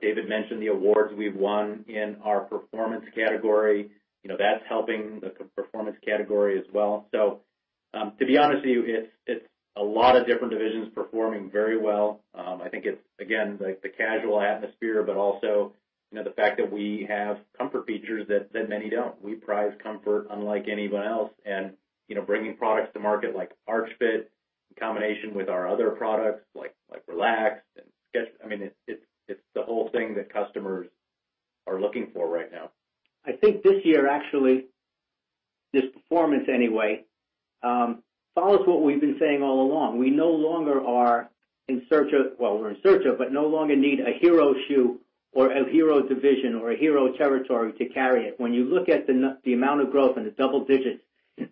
David mentioned the awards we've won in our performance category. You know, that's helping the performance category as well. To be honest with you, it's a lot of different divisions performing very well. I think it's again, like the casual atmosphere, but also, you know, the fact that we have comfort features that many don't. We prize comfort unlike anyone else and, you know, bringing products to market like Arch Fit in combination with our other products like Relaxed Fit and Skechers. I mean, it's the whole thing that customers are looking for right now. I think this year, actually, this performance anyway, follows what we've been saying all along. We no longer are in search of Well, we're in search of, but no longer need a hero shoe or a hero division or a hero territory to carry it. When you look at the amount of growth and the double digits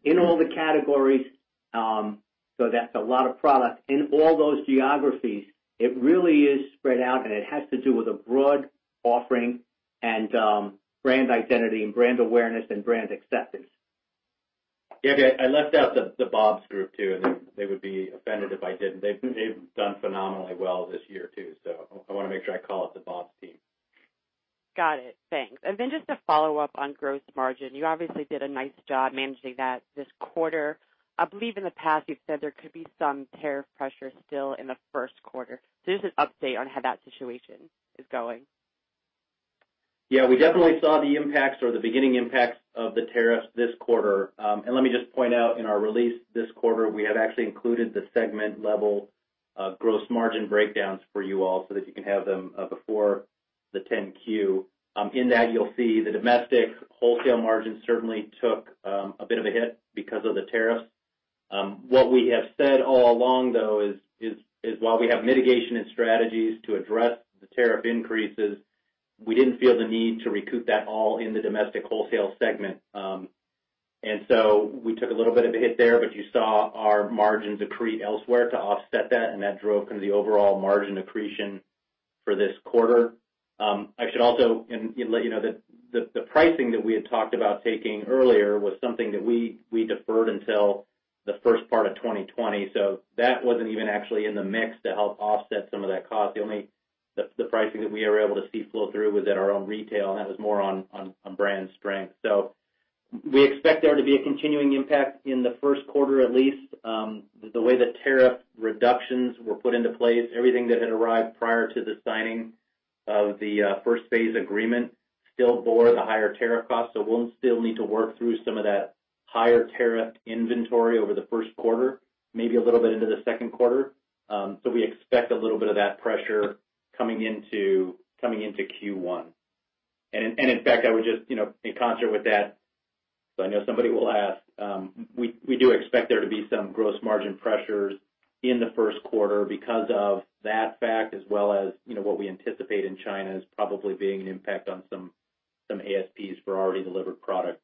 in all the categories, so that's a lot of product in all those geographies, it really is spread out, and it has to do with a broad offering and brand identity and brand awareness and brand acceptance. Gabby, I left out the BOBS group, too. They would be offended if I didn't. They've done phenomenally well this year, too. I wanna make sure I call out the BOBS team. Got it. Thanks. Just a follow-up on gross margin. You obviously did a nice job managing that this quarter. I believe in the past, you've said there could be some tariff pressure still in the first quarter. Just an update on how that situation is going. Yeah, we definitely saw the impacts or the beginning impacts of the tariffs this quarter. Let me just point out in our release this quarter, we have actually included the segment level, gross margin breakdowns for you all so that you can have them, before the Form 10-Q. In that, you'll see the domestic wholesale margin certainly took a bit of a hit because of the tariffs. What we have said all along, though, is while we have mitigation and strategies to address the tariff increases, we didn't feel the need to recoup that all in the domestic wholesale segment. We took a little bit of a hit there, but you saw our margins accrete elsewhere to offset that, and that drove kind of the overall margin accretion for this quarter. I should also let you know that the pricing that we had talked about taking earlier was something that we deferred until the first part of 2020. That wasn't even actually in the mix to help offset some of that cost. The pricing that we were able to see flow through was at our own retail, and that was more on brand strength. We expect there to be a continuing impact in the 1st quarter, at least. The way the tariff reductions were put into place, everything that had arrived prior to the signing of the 1st phase agreement still bore the higher tariff cost. We'll still need to work through some of that higher tariff inventory over the 1st quarter, maybe a little bit into the 2nd quarter. We expect a little bit of that pressure coming into Q1. In fact, I would just, you know, in concert with that, I know somebody will ask, we do expect there to be some gross margin pressures in the first quarter because of that fact as well as, you know, what we anticipate in China as probably being an impact on some ASPs for already delivered product.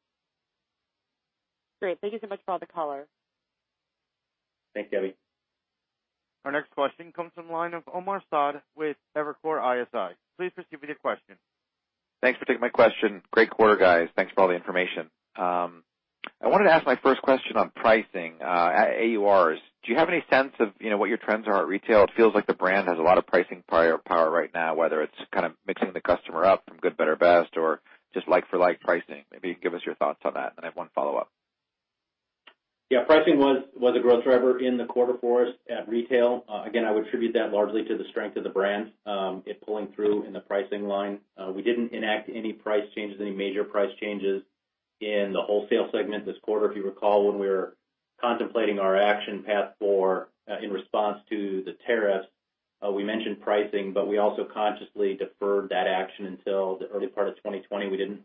Great. Thank you so much for all the color. Thanks, Gabriella. Our next question comes from the line of Omar Saad with Evercore ISI. Please proceed with your question. Thanks for taking my question. Great quarter, guys. Thanks for all the information. I wanted to ask my first question on pricing at AURs. Do you have any sense of, you know, what your trends are at retail? It feels like the brand has a lot of pricing power right now, whether it's kind of mixing the customer up from good, better, best, or just like for like pricing. Maybe give us your thoughts on that. I have one follow-up. Pricing was a growth driver in the quarter for us at retail. Again, I would attribute that largely to the strength of the brand, it pulling through in the pricing line. We didn't enact any price changes, any major price changes in the wholesale segment this quarter. If you recall, when we were contemplating our action path for in response to the tariff, we mentioned pricing, but we also consciously deferred that action until the early part of 2020. We didn't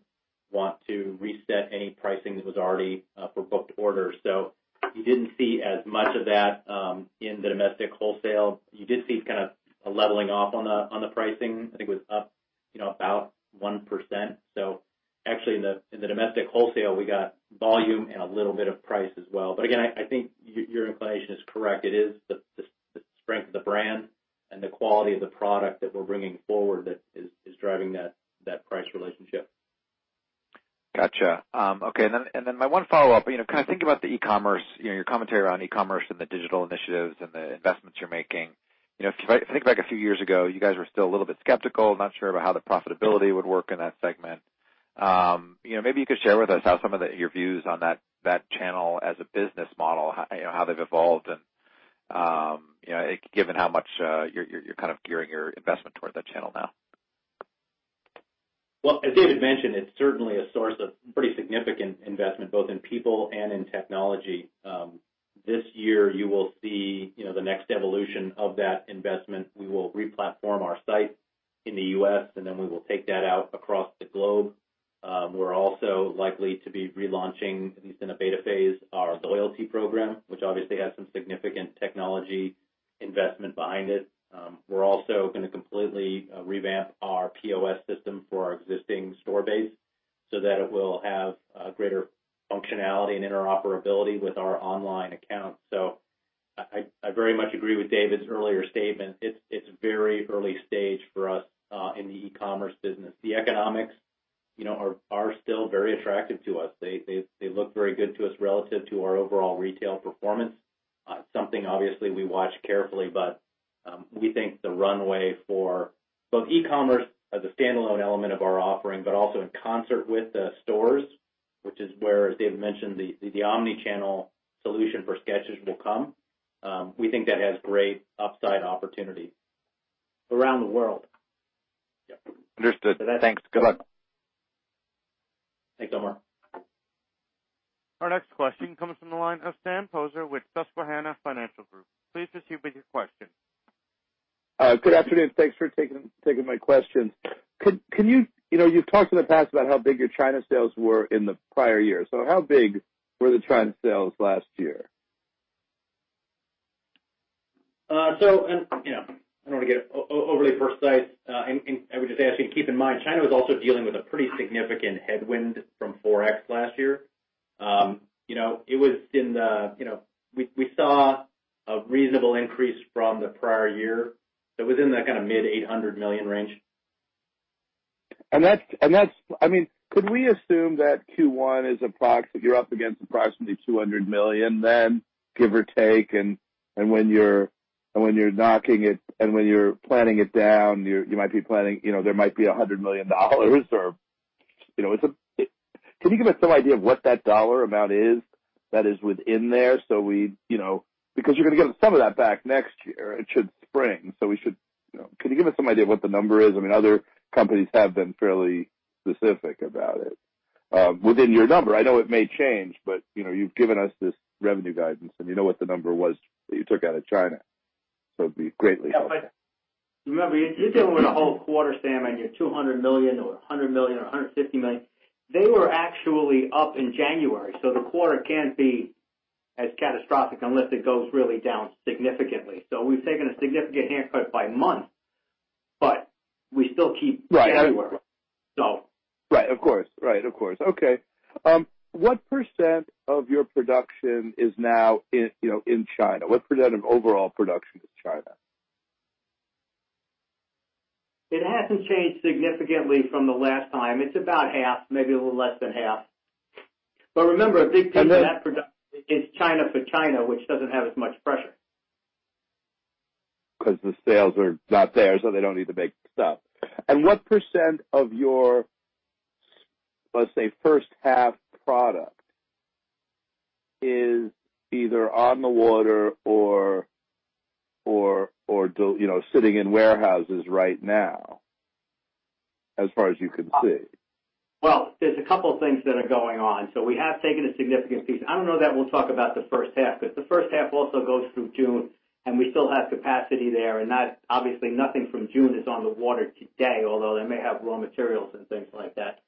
want to reset any pricing that was already for booked orders. You didn't see as much of that in the domestic wholesale. You did see kind of a leveling off on the pricing. I think it was up, you know, about 1%. Actually in the domestic wholesale, we got volume and a little bit of price as well. Again, I think your inclination is correct. It is the strength of the brand and the quality of the product that we're bringing forward that is driving that price relationship. Gotcha. Okay. Then my one follow-up, you know, kinda think about the e-commerce, you know, your commentary around e-commerce and the digital initiatives and the investments you're making. You know, if you think back a few years ago, you guys were still a little bit skeptical, not sure about how the profitability would work in that segment. You know, maybe you could share with us how some of your views on that channel as a business model, how, you know, how they've evolved and you're kind of gearing your investment toward that channel now? Well, as David mentioned, it's certainly a source of pretty significant investment, both in people and in technology. This year, you will see, you know, the next evolution of that investment. We will re-platform our site in the U.S., then we will take that out across the globe. We're also likely to be relaunching, at least in a beta phase, our loyalty program, which obviously has some significant technology investment behind it. We're also gonna completely revamp our POS system for our existing store base so that it will have greater functionality and interoperability with our online accounts. I very much agree with David's earlier statement. It's very early stage for us in the e-commerce business. The economics, you know, are still very attractive to us. They look very good to us relative to our overall retail performance. Something obviously we watch carefully, but we think the runway for both e-commerce as a standalone element of our offering, but also in concert with the stores, which is where, as David mentioned, the omnichannel solution for Skechers will come. We think that has great upside opportunity around the world. Yeah. Understood. Thanks. Good luck. Thanks, Omar. Our next question comes from the line of Sam Poser with Susquehanna Financial Group. Please proceed with your question. Good afternoon. Thanks for taking my question. Can you You know, you've talked in the past about how big your China sales were in the prior year. How big were the China sales last year? You know, I don't wanna get overly precise. I would just ask you to keep in mind, China was also dealing with a pretty significant headwind from Forex last year. You know, it was in the, you know We saw a reasonable increase from the prior year. It was in the kinda mid-$800 million range. I mean, could we assume that Q1 is you're up against approximately $200 million then, give or take, and when you're planning it down, you might be planning, you know, there might be $100 million? You know, can you give us some idea of what that dollar amount is that is within there? You know, because you're gonna give some of that back next year, it should spring. We should, you know, can you give us some idea of what the number is? I mean, other companies have been fairly specific about it within your number. I know it may change, but, you know, you've given us this revenue guidance, and you know what the number was that you took out of China. It'd be greatly helpful. Remember, you're dealing with a whole quarter, Sam, and you're $200 million or $100 million or $150 million. They were actually up in January, the quarter can't be as catastrophic unless it goes really down significantly. We've taken a significant haircut by month. Right. January. Right. Of course. Okay. What % of your production is now in, you know, in China? What % of overall production is China? It hasn't changed significantly from the last time. It's about half, maybe a little less than half. Remember, a big piece of that production is China for China, which doesn't have as much pressure. 'Cause the sales are not there, so they don't need to make stuff. What % of your, let's say, first half product is either on the water or you know, sitting in warehouses right now, as far as you can see? There's a couple things that are going on. We have taken a significant piece. I don't know that we'll talk about the first half, 'cause the first half also goes through June, and we still have capacity there. Obviously, nothing from June is on the water today, although they may have raw materials and things like that.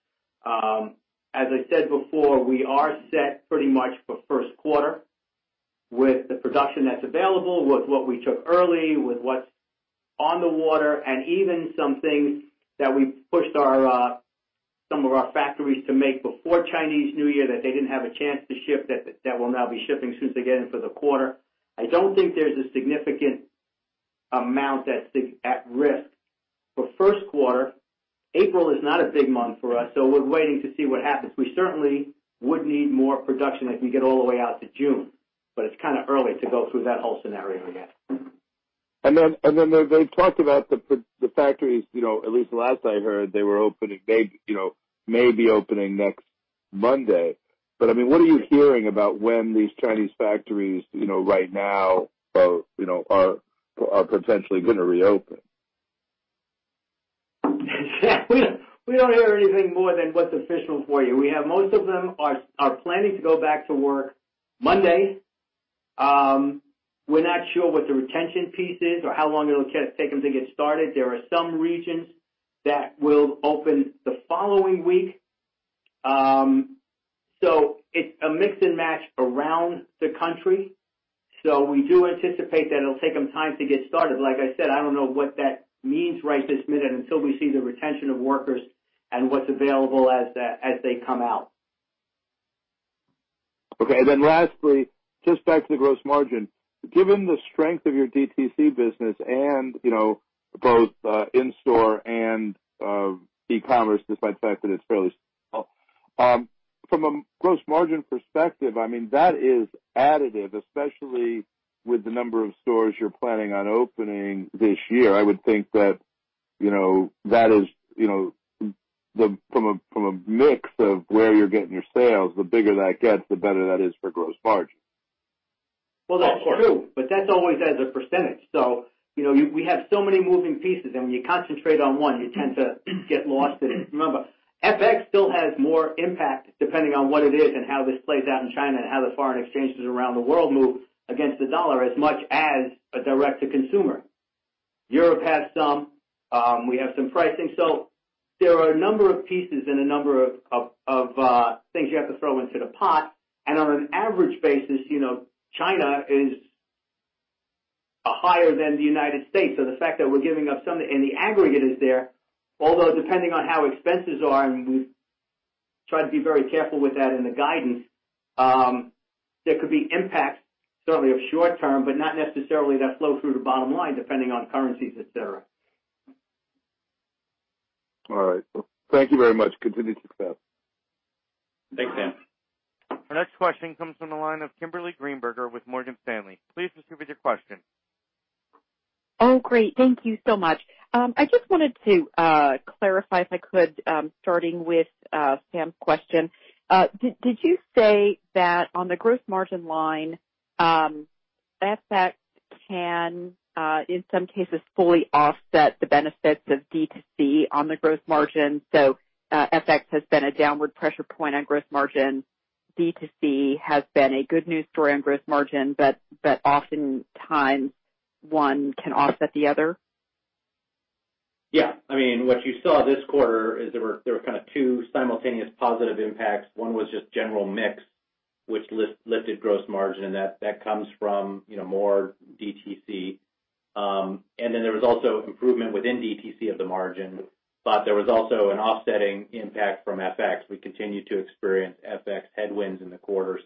As I said before, we are set pretty much for first quarter with the production that's available, with what we took early, with what's on the water, and even some things that we pushed our some of our factories to make before Chinese New Year that will now be shipping since again for the quarter. I don't think there's a significant amount at risk for first quarter. April is not a big month for us, so we're waiting to see what happens. We certainly would need more production if we get all the way out to June, but it's kinda early to go through that whole scenario again. They talked about the factories, you know, at least the last I heard they were opening. They, you know, may be opening next Monday. I mean, what are you hearing about when these Chinese factories, you know, right now are, you know, potentially gonna reopen? We don't hear anything more than what's official for you. We have most of them are planning to go back to work Monday. We're not sure what the retention piece is or how long it'll take them to get started. There are some regions that will open the following week. It's a mix and match around the country. We do anticipate that it'll take them time to get started. Like I said, I don't know what that means right this minute until we see the retention of workers and what's available as they come out. Okay. Lastly, just back to the gross margin. Given the strength of your DTC business and both in-store and e-commerce, despite the fact that it's fairly small, from a gross margin perspective, I mean, that is additive, especially with the number of stores you're planning on opening this year. I would think that that is from a, from a mix of where you're getting your sales, the bigger that gets, the better that is for gross margin. Well, that's true. That's always as a %. You know, we have so many moving pieces, and when you concentrate on one, you tend to get lost in it. Remember, FX still has more impact depending on what it is and how this plays out in China and how the foreign exchanges around the world move against the dollar as much as a direct-to-consumer. Europe has some. We have some pricing. There are a number of pieces and a number of things you have to throw into the pot. On an average basis, you know, China is higher than the U.S. The fact that we're giving up some in the aggregate is there. Depending on how expenses are, and we try to be very careful with that in the guidance, there could be impacts certainly of short term, but not necessarily that flow through the bottom line, depending on currencies, et cetera. All right. Well, thank you very much. Continued success. Thanks, Sam. Our next question comes from the line of Kimberly Greenberger with Morgan Stanley. Please distribute your question. Oh, great. Thank you so much. I just wanted to clarify if I could, starting with Sam's question. Did you say that on the gross margin line, FX can in some cases fully offset the benefits of D2C on the gross margin? FX has been a downward pressure point on gross margin. D2C has been a good news story on gross margin, but oftentimes one can offset the other. Yeah. I mean, what you saw this quarter is there were kind of two simultaneous positive impacts. One was just general mix, which lifted gross margin, and that comes from, you know, more DTC. Then there was also improvement within DTC of the margin, but there was also an offsetting impact from FX. We continued to experience FX headwinds in the quarter,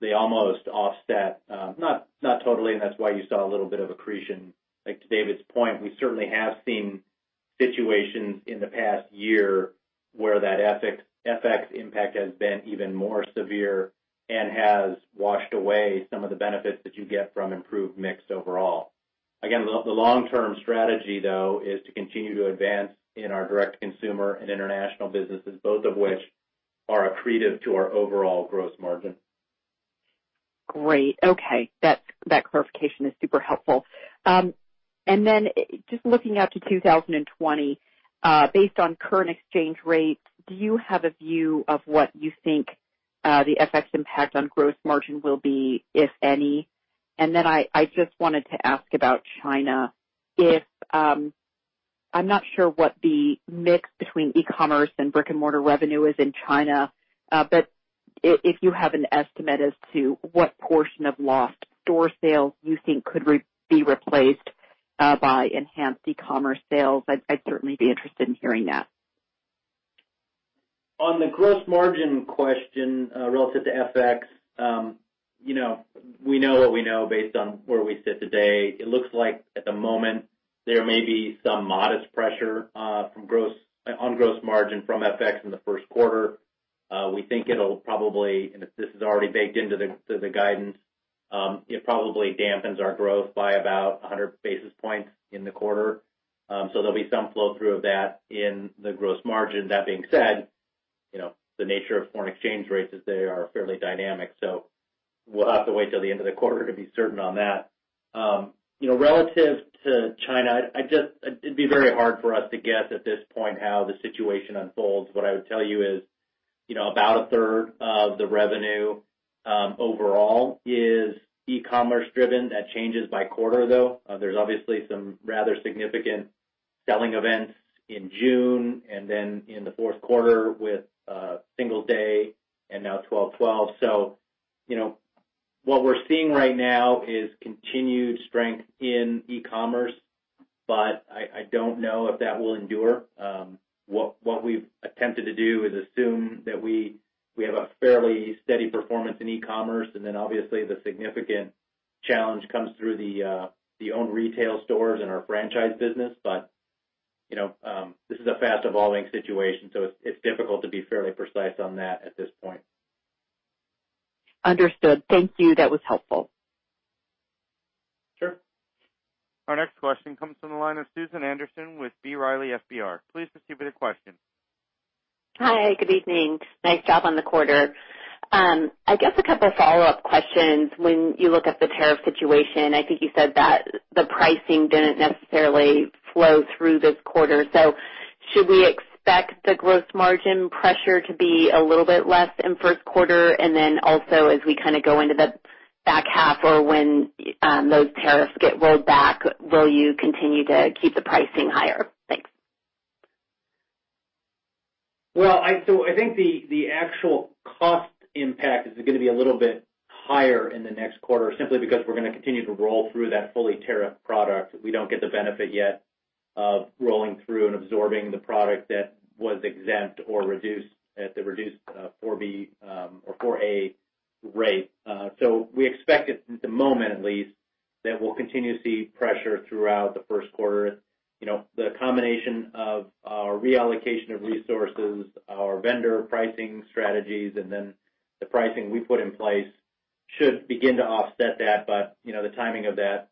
they almost offset, Not totally, and that's why you saw a little bit of accretion. Like to David's point, we certainly have seen situations in the past year where that FX impact has been even more severe and has washed away some of the benefits that you get from improved mix overall. The long term strategy, though, is to continue to advance in our direct consumer and international businesses, both of which are accretive to our overall gross margin. Great. Okay. That clarification is super helpful. Just looking out to 2020, based on current exchange rates, do you have a view of what you think the FX impact on gross margin will be, if any? I just wanted to ask about China, if I'm not sure what the mix between e-commerce and brick-and-mortar revenue is in China, but if you have an estimate as to what portion of lost store sales you think could be replaced by enhanced e-commerce sales, I'd certainly be interested in hearing that. On the gross margin question, relative to FX, you know, we know what we know based on where we sit today. It looks like at the moment there may be some modest pressure, on gross margin from FX in the first quarter. We think it'll probably if this is already baked into the, to the guidance, it probably dampens our growth by about 100 basis points in the quarter. There'll be some flow through of that in the gross margin. That being said, you know, the nature of foreign exchange rates is they are fairly dynamic, we'll have to wait till the end of the quarter to be certain on that. You know, relative to China, I'd just It'd be very hard for us to guess at this point how the situation unfolds. What I would tell you is, you know, about 1/3 of the revenue, overall is e-commerce driven. That changes by quarter, though. There's obviously some rather significant selling events in June and then in the fourth quarter with Singles' Day and now 12.12. You know, what we're seeing right now is continued strength in e-commerce, but I don't know if that will endure. What we've attempted to do is assume that we have a fairly steady performance in e-commerce, and then obviously the significant challenge comes through the owned retail stores and our franchise business. You know, this is a fast evolving situation, so it's difficult to be fairly precise on that at this point. Understood. Thank you. That was helpful. Sure. Our next question comes from the line of Susan Anderson with B. Riley FBR. Please proceed with your question. Hi, good evening. Nice job on the quarter. I guess a couple follow-up questions. When you look at the tariff situation, I think you said that the pricing didn't necessarily flow through this quarter. Should we expect the gross margin pressure to be a little bit less in first quarter? Also as we kind of go into the back half or when those tariffs get rolled back, will you continue to keep the pricing higher? Thanks. I think the actual cost impact is going to be a little bit higher in the next quarter, simply because we're going to continue to roll through that fully tariffed product. We don't get the benefit yet of rolling through and absorbing the product that was exempt or reduced at the reduced List 4B or List 4A rate. So we expect it, at the moment at least, that we will continue to see pressure throughout the first quarter. You know, the combination of our reallocation of resources, our vendor pricing strategies, and then the pricing we put in place should begin to offset that. You know, the timing of that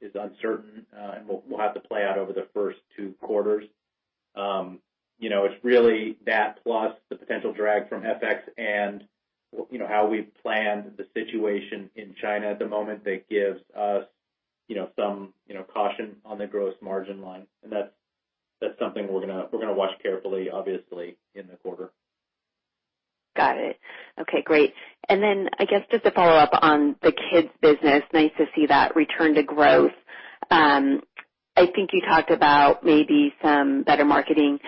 is uncertain. And will have to play out over the first two quarters. You know, it's really that plus the potential drag from FX and, you know, how we plan the situation in China at the moment that gives us, you know, some, you know, caution on the gross margin line. That's something we're gonna watch carefully, obviously, in the quarter. Got it. Okay, great. I guess just to follow up on the kids business, nice to see that return to growth. I think you talked about maybe some better marketing,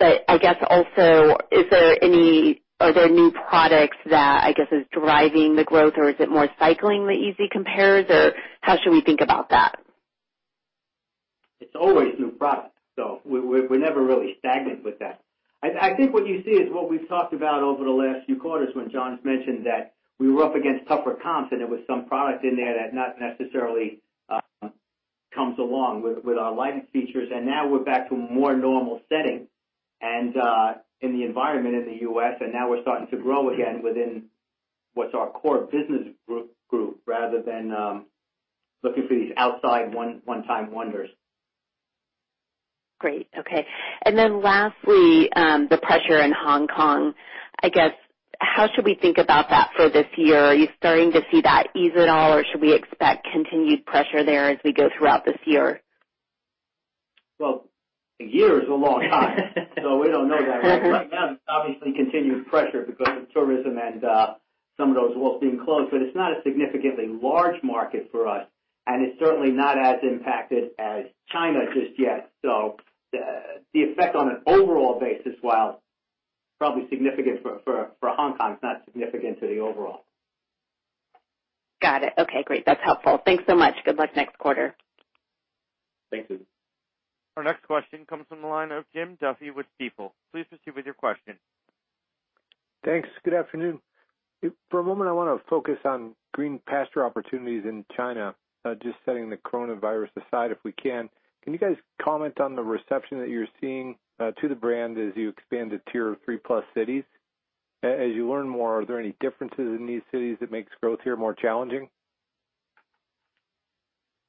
but I guess also, are there new products that, I guess, is driving the growth or is it more cycling the easy compares? How should we think about that? It's always new product. We're never really stagnant with that. I think what you see is what we've talked about over the last few quarters when John's mentioned that we were up against tougher comps and there was some product in there that not necessarily comes along with our lighted features. Now we're back to a more normal setting in the environment in the U.S. Now we're starting to grow again within what's our core business group, rather than looking for these outside one-time wonders. Great. Okay. Then lastly, the pressure in Hong Kong. I guess, how should we think about that for this year? Are you starting to see that ease at all, or should we expect continued pressure there as we go throughout this year? Well, a year is a long time. We don't know that right now. It's obviously continued pressure because of tourism and some of those malls being closed. It's not a significantly large market for us, and it's certainly not as impacted as China just yet. The effect on an overall basis, while probably significant for Hong Kong, it's not significant to the overall. Got it. Okay, great. That is helpful. Thanks so much. Good luck next quarter. Thanks, Susan. Our next question comes from the line of Jim Duffy with Stifel. Please proceed with your question. Thanks. Good afternoon. For a moment, I wanna focus on greenfield opportunities in China, just setting the coronavirus aside, if we can. Can you guys comment on the reception that you're seeing to the brand as you expand to Tier 3-plus cities? As you learn more, are there any differences in these cities that makes growth here more challenging?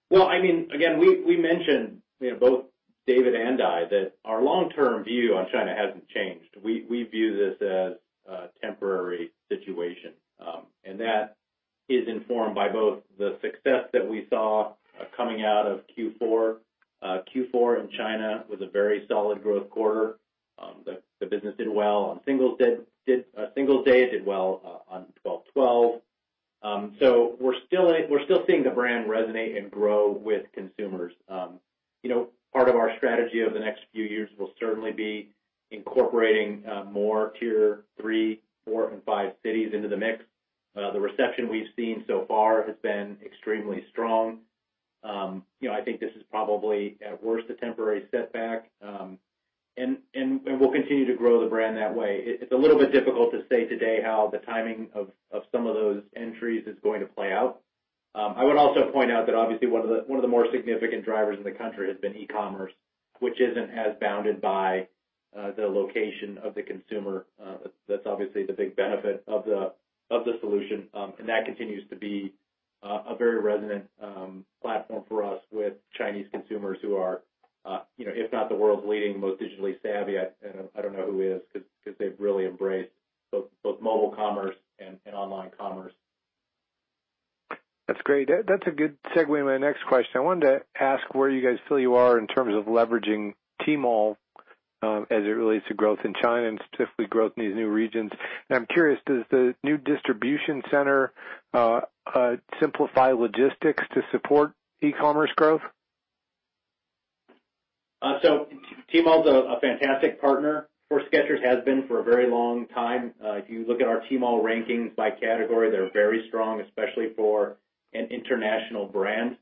Well, I mean, again, we mentioned, you know, both David and I, that our long-term view on China hasn't changed. We view this as a temporary situation. And that is informed by both the success that we saw coming out of Q4. Q4 in China was a very solid growth quarter. The business did well on Singles' Day. It did well on 12.12. We're still seeing the brand resonate and grow with consumers. You know, part of our strategy over the next few years will certainly be incorporating more Tier 3, 4, and 5 cities into the mix. The reception we've seen so far has been extremely strong. You know, I think this is probably at worst a temporary setback. We'll continue to grow the brand that way. It's a little bit difficult to say today how the timing of some of those entries is going to play out. I would also point out that obviously one of the more significant drivers in the country has been e-commerce, which isn't as bounded by the location of the consumer. That's obviously the big benefit of the solution. That continues to be a very resonant platform for us with Chinese consumers who are, you know, if not the world's leading most digitally savvy, I don't know who is, 'cause they've really embraced both mobile commerce and online commerce. That's great. That's a good segue to my next question. I wanted to ask where you guys feel you are in terms of leveraging Tmall as it relates to growth in China and specifically growth in these new regions. I'm curious, does the new distribution center simplify logistics to support e-commerce growth? Tmall is a fantastic partner for Skechers, has been for a very long time. If you look at our Tmall rankings by category, they're very strong, especially for an international brand.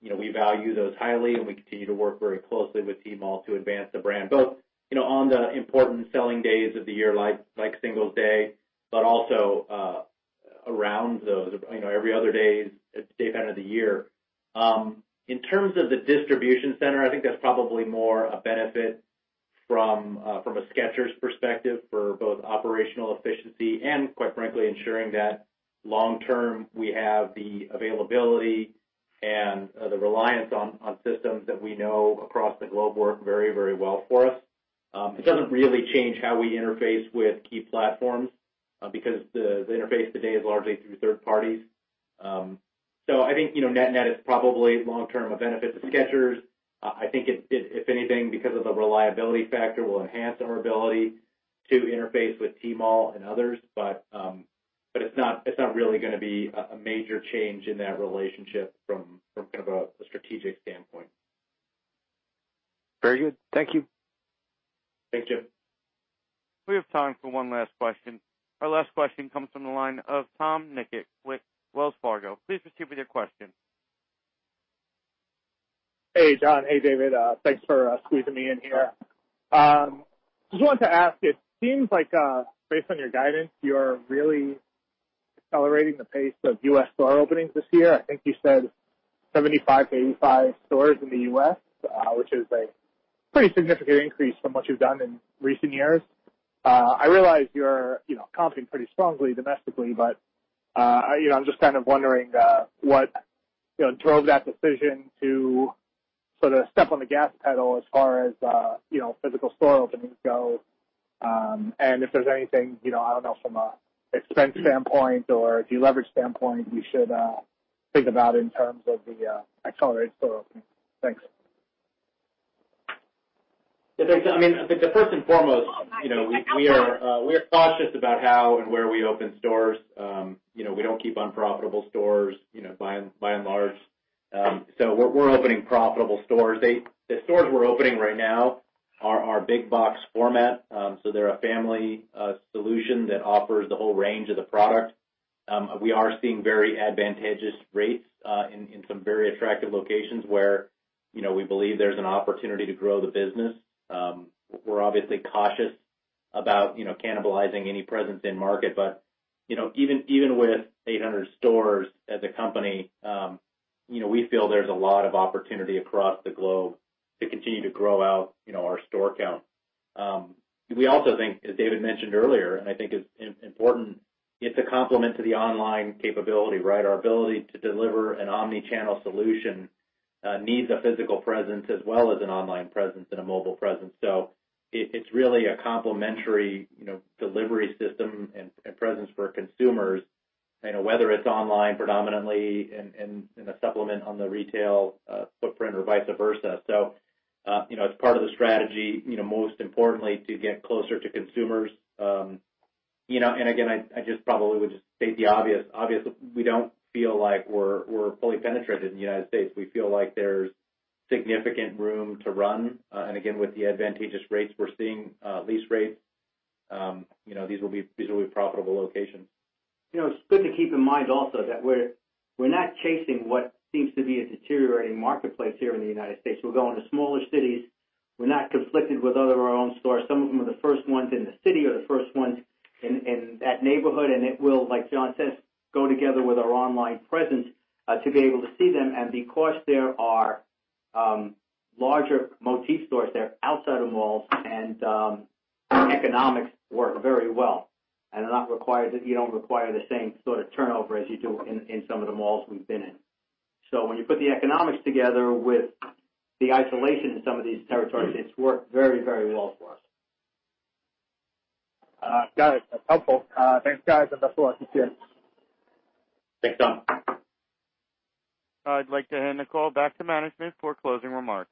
You know, we value those highly, and we continue to work very closely with Tmall to advance the brand, both, you know, on the important selling days of the year, like Singles' Day, but also around those, you know, every other day, it's the end of the year. In terms of the distribution center, I think that's probably more a benefit from a Skechers perspective for both operational efficiency and quite frankly, ensuring that long term we have the availability and the reliance on systems that we know across the globe work very, very well for us. It doesn't really change how we interface with key platforms because the interface today is largely through third parties. I think, you know, net-net is probably long term a benefit to Skechers. I think it if anything, because of the reliability factor, will enhance our ability to interface with Tmall and others. It's not really gonna be a major change in that relationship from kind of a strategic standpoint. Very good. Thank you. Thank you. We have time for one last question. Our last question comes from the line of Tom Nikic with Wells Fargo. Please proceed with your question. Hey, John. Hey, David. Thanks for squeezing me in here. Sure. Just wanted to ask, it seems like, based on your guidance, you are really accelerating the pace of U.S. store openings this year. I think you said 75-85 stores in the U.S., which is a pretty significant increase from what you've done in recent years. I realize you're, you know, comping pretty strongly domestically, but, you know, I'm just kind of wondering, what, you know, drove that decision to sort of step on the gas pedal as far as, you know, physical store openings go, and if there's anything, you know, I don't know from an expense standpoint or deleverage standpoint we should think about in terms of the accelerated store openings. Thanks. Yeah, thanks. I mean, I think the first and foremost, you know, we are cautious about how and where we open stores. You know, we don't keep unprofitable stores, you know, by and large. We're opening profitable stores. The stores we're opening right now are big box format. They're a family solution that offers the whole range of the product. We are seeing very advantageous rates in some very attractive locations where, you know, we believe there's an opportunity to grow the business. We're obviously cautious about, you know, cannibalizing any presence in market. You know, even with 800 stores as a company, you know, we feel there's a lot of opportunity across the globe to continue to grow out, you know, our store count. We also think, as David mentioned earlier, it's important, it's a complement to the online capability, right? Our ability to deliver an omnichannel solution needs a physical presence as well as an online presence and a mobile presence. It's really a complementary, you know, delivery system and presence for consumers, you know, whether it's online predominantly and in a supplement on the retail footprint or vice versa. You know, it's part of the strategy, you know, most importantly to get closer to consumers. You know, I just probably would just state the obvious. Obviously, we don't feel like we're fully penetrated in the U.S. We feel like there's significant room to run. Again, with the advantageous rates we're seeing, lease rates, you know, these will be profitable locations. You know, it's good to keep in mind also that we're not chasing what seems to be a deteriorating marketplace here in the U.S. We're going to smaller cities. We're not conflicted with other of our own stores. Some of them are the first ones in the city or the first ones in that neighborhood, it will, like John says, go together with our online presence to be able to see them. Because there are larger motif stores, they're outside of malls and economics work very well. You don't require the same sort of turnover as you do in some of the malls we've been in. When you put the economics together with the isolation in some of these territories, it's worked very well for us. Got it. That's helpful. Thanks, guys, and best of luck. Cheers. Thanks, Tom. I'd like to hand the call back to management for closing remarks.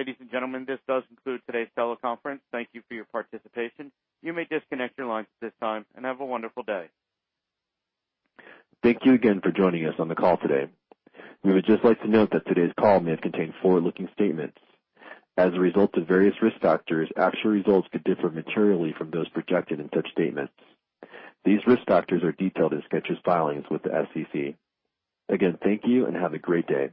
Ladies and gentlemen, this does conclude today's teleconference. Thank you for your participation. You may disconnect your lines at this time, and have a wonderful day. Thank you again for joining us on the call today. We would just like to note that today's call may have contained forward-looking statements. As a result of various risk factors, actual results could differ materially from those projected in such statements. These risk factors are detailed in Skechers' filings with the SEC. Again, thank you and have a great day.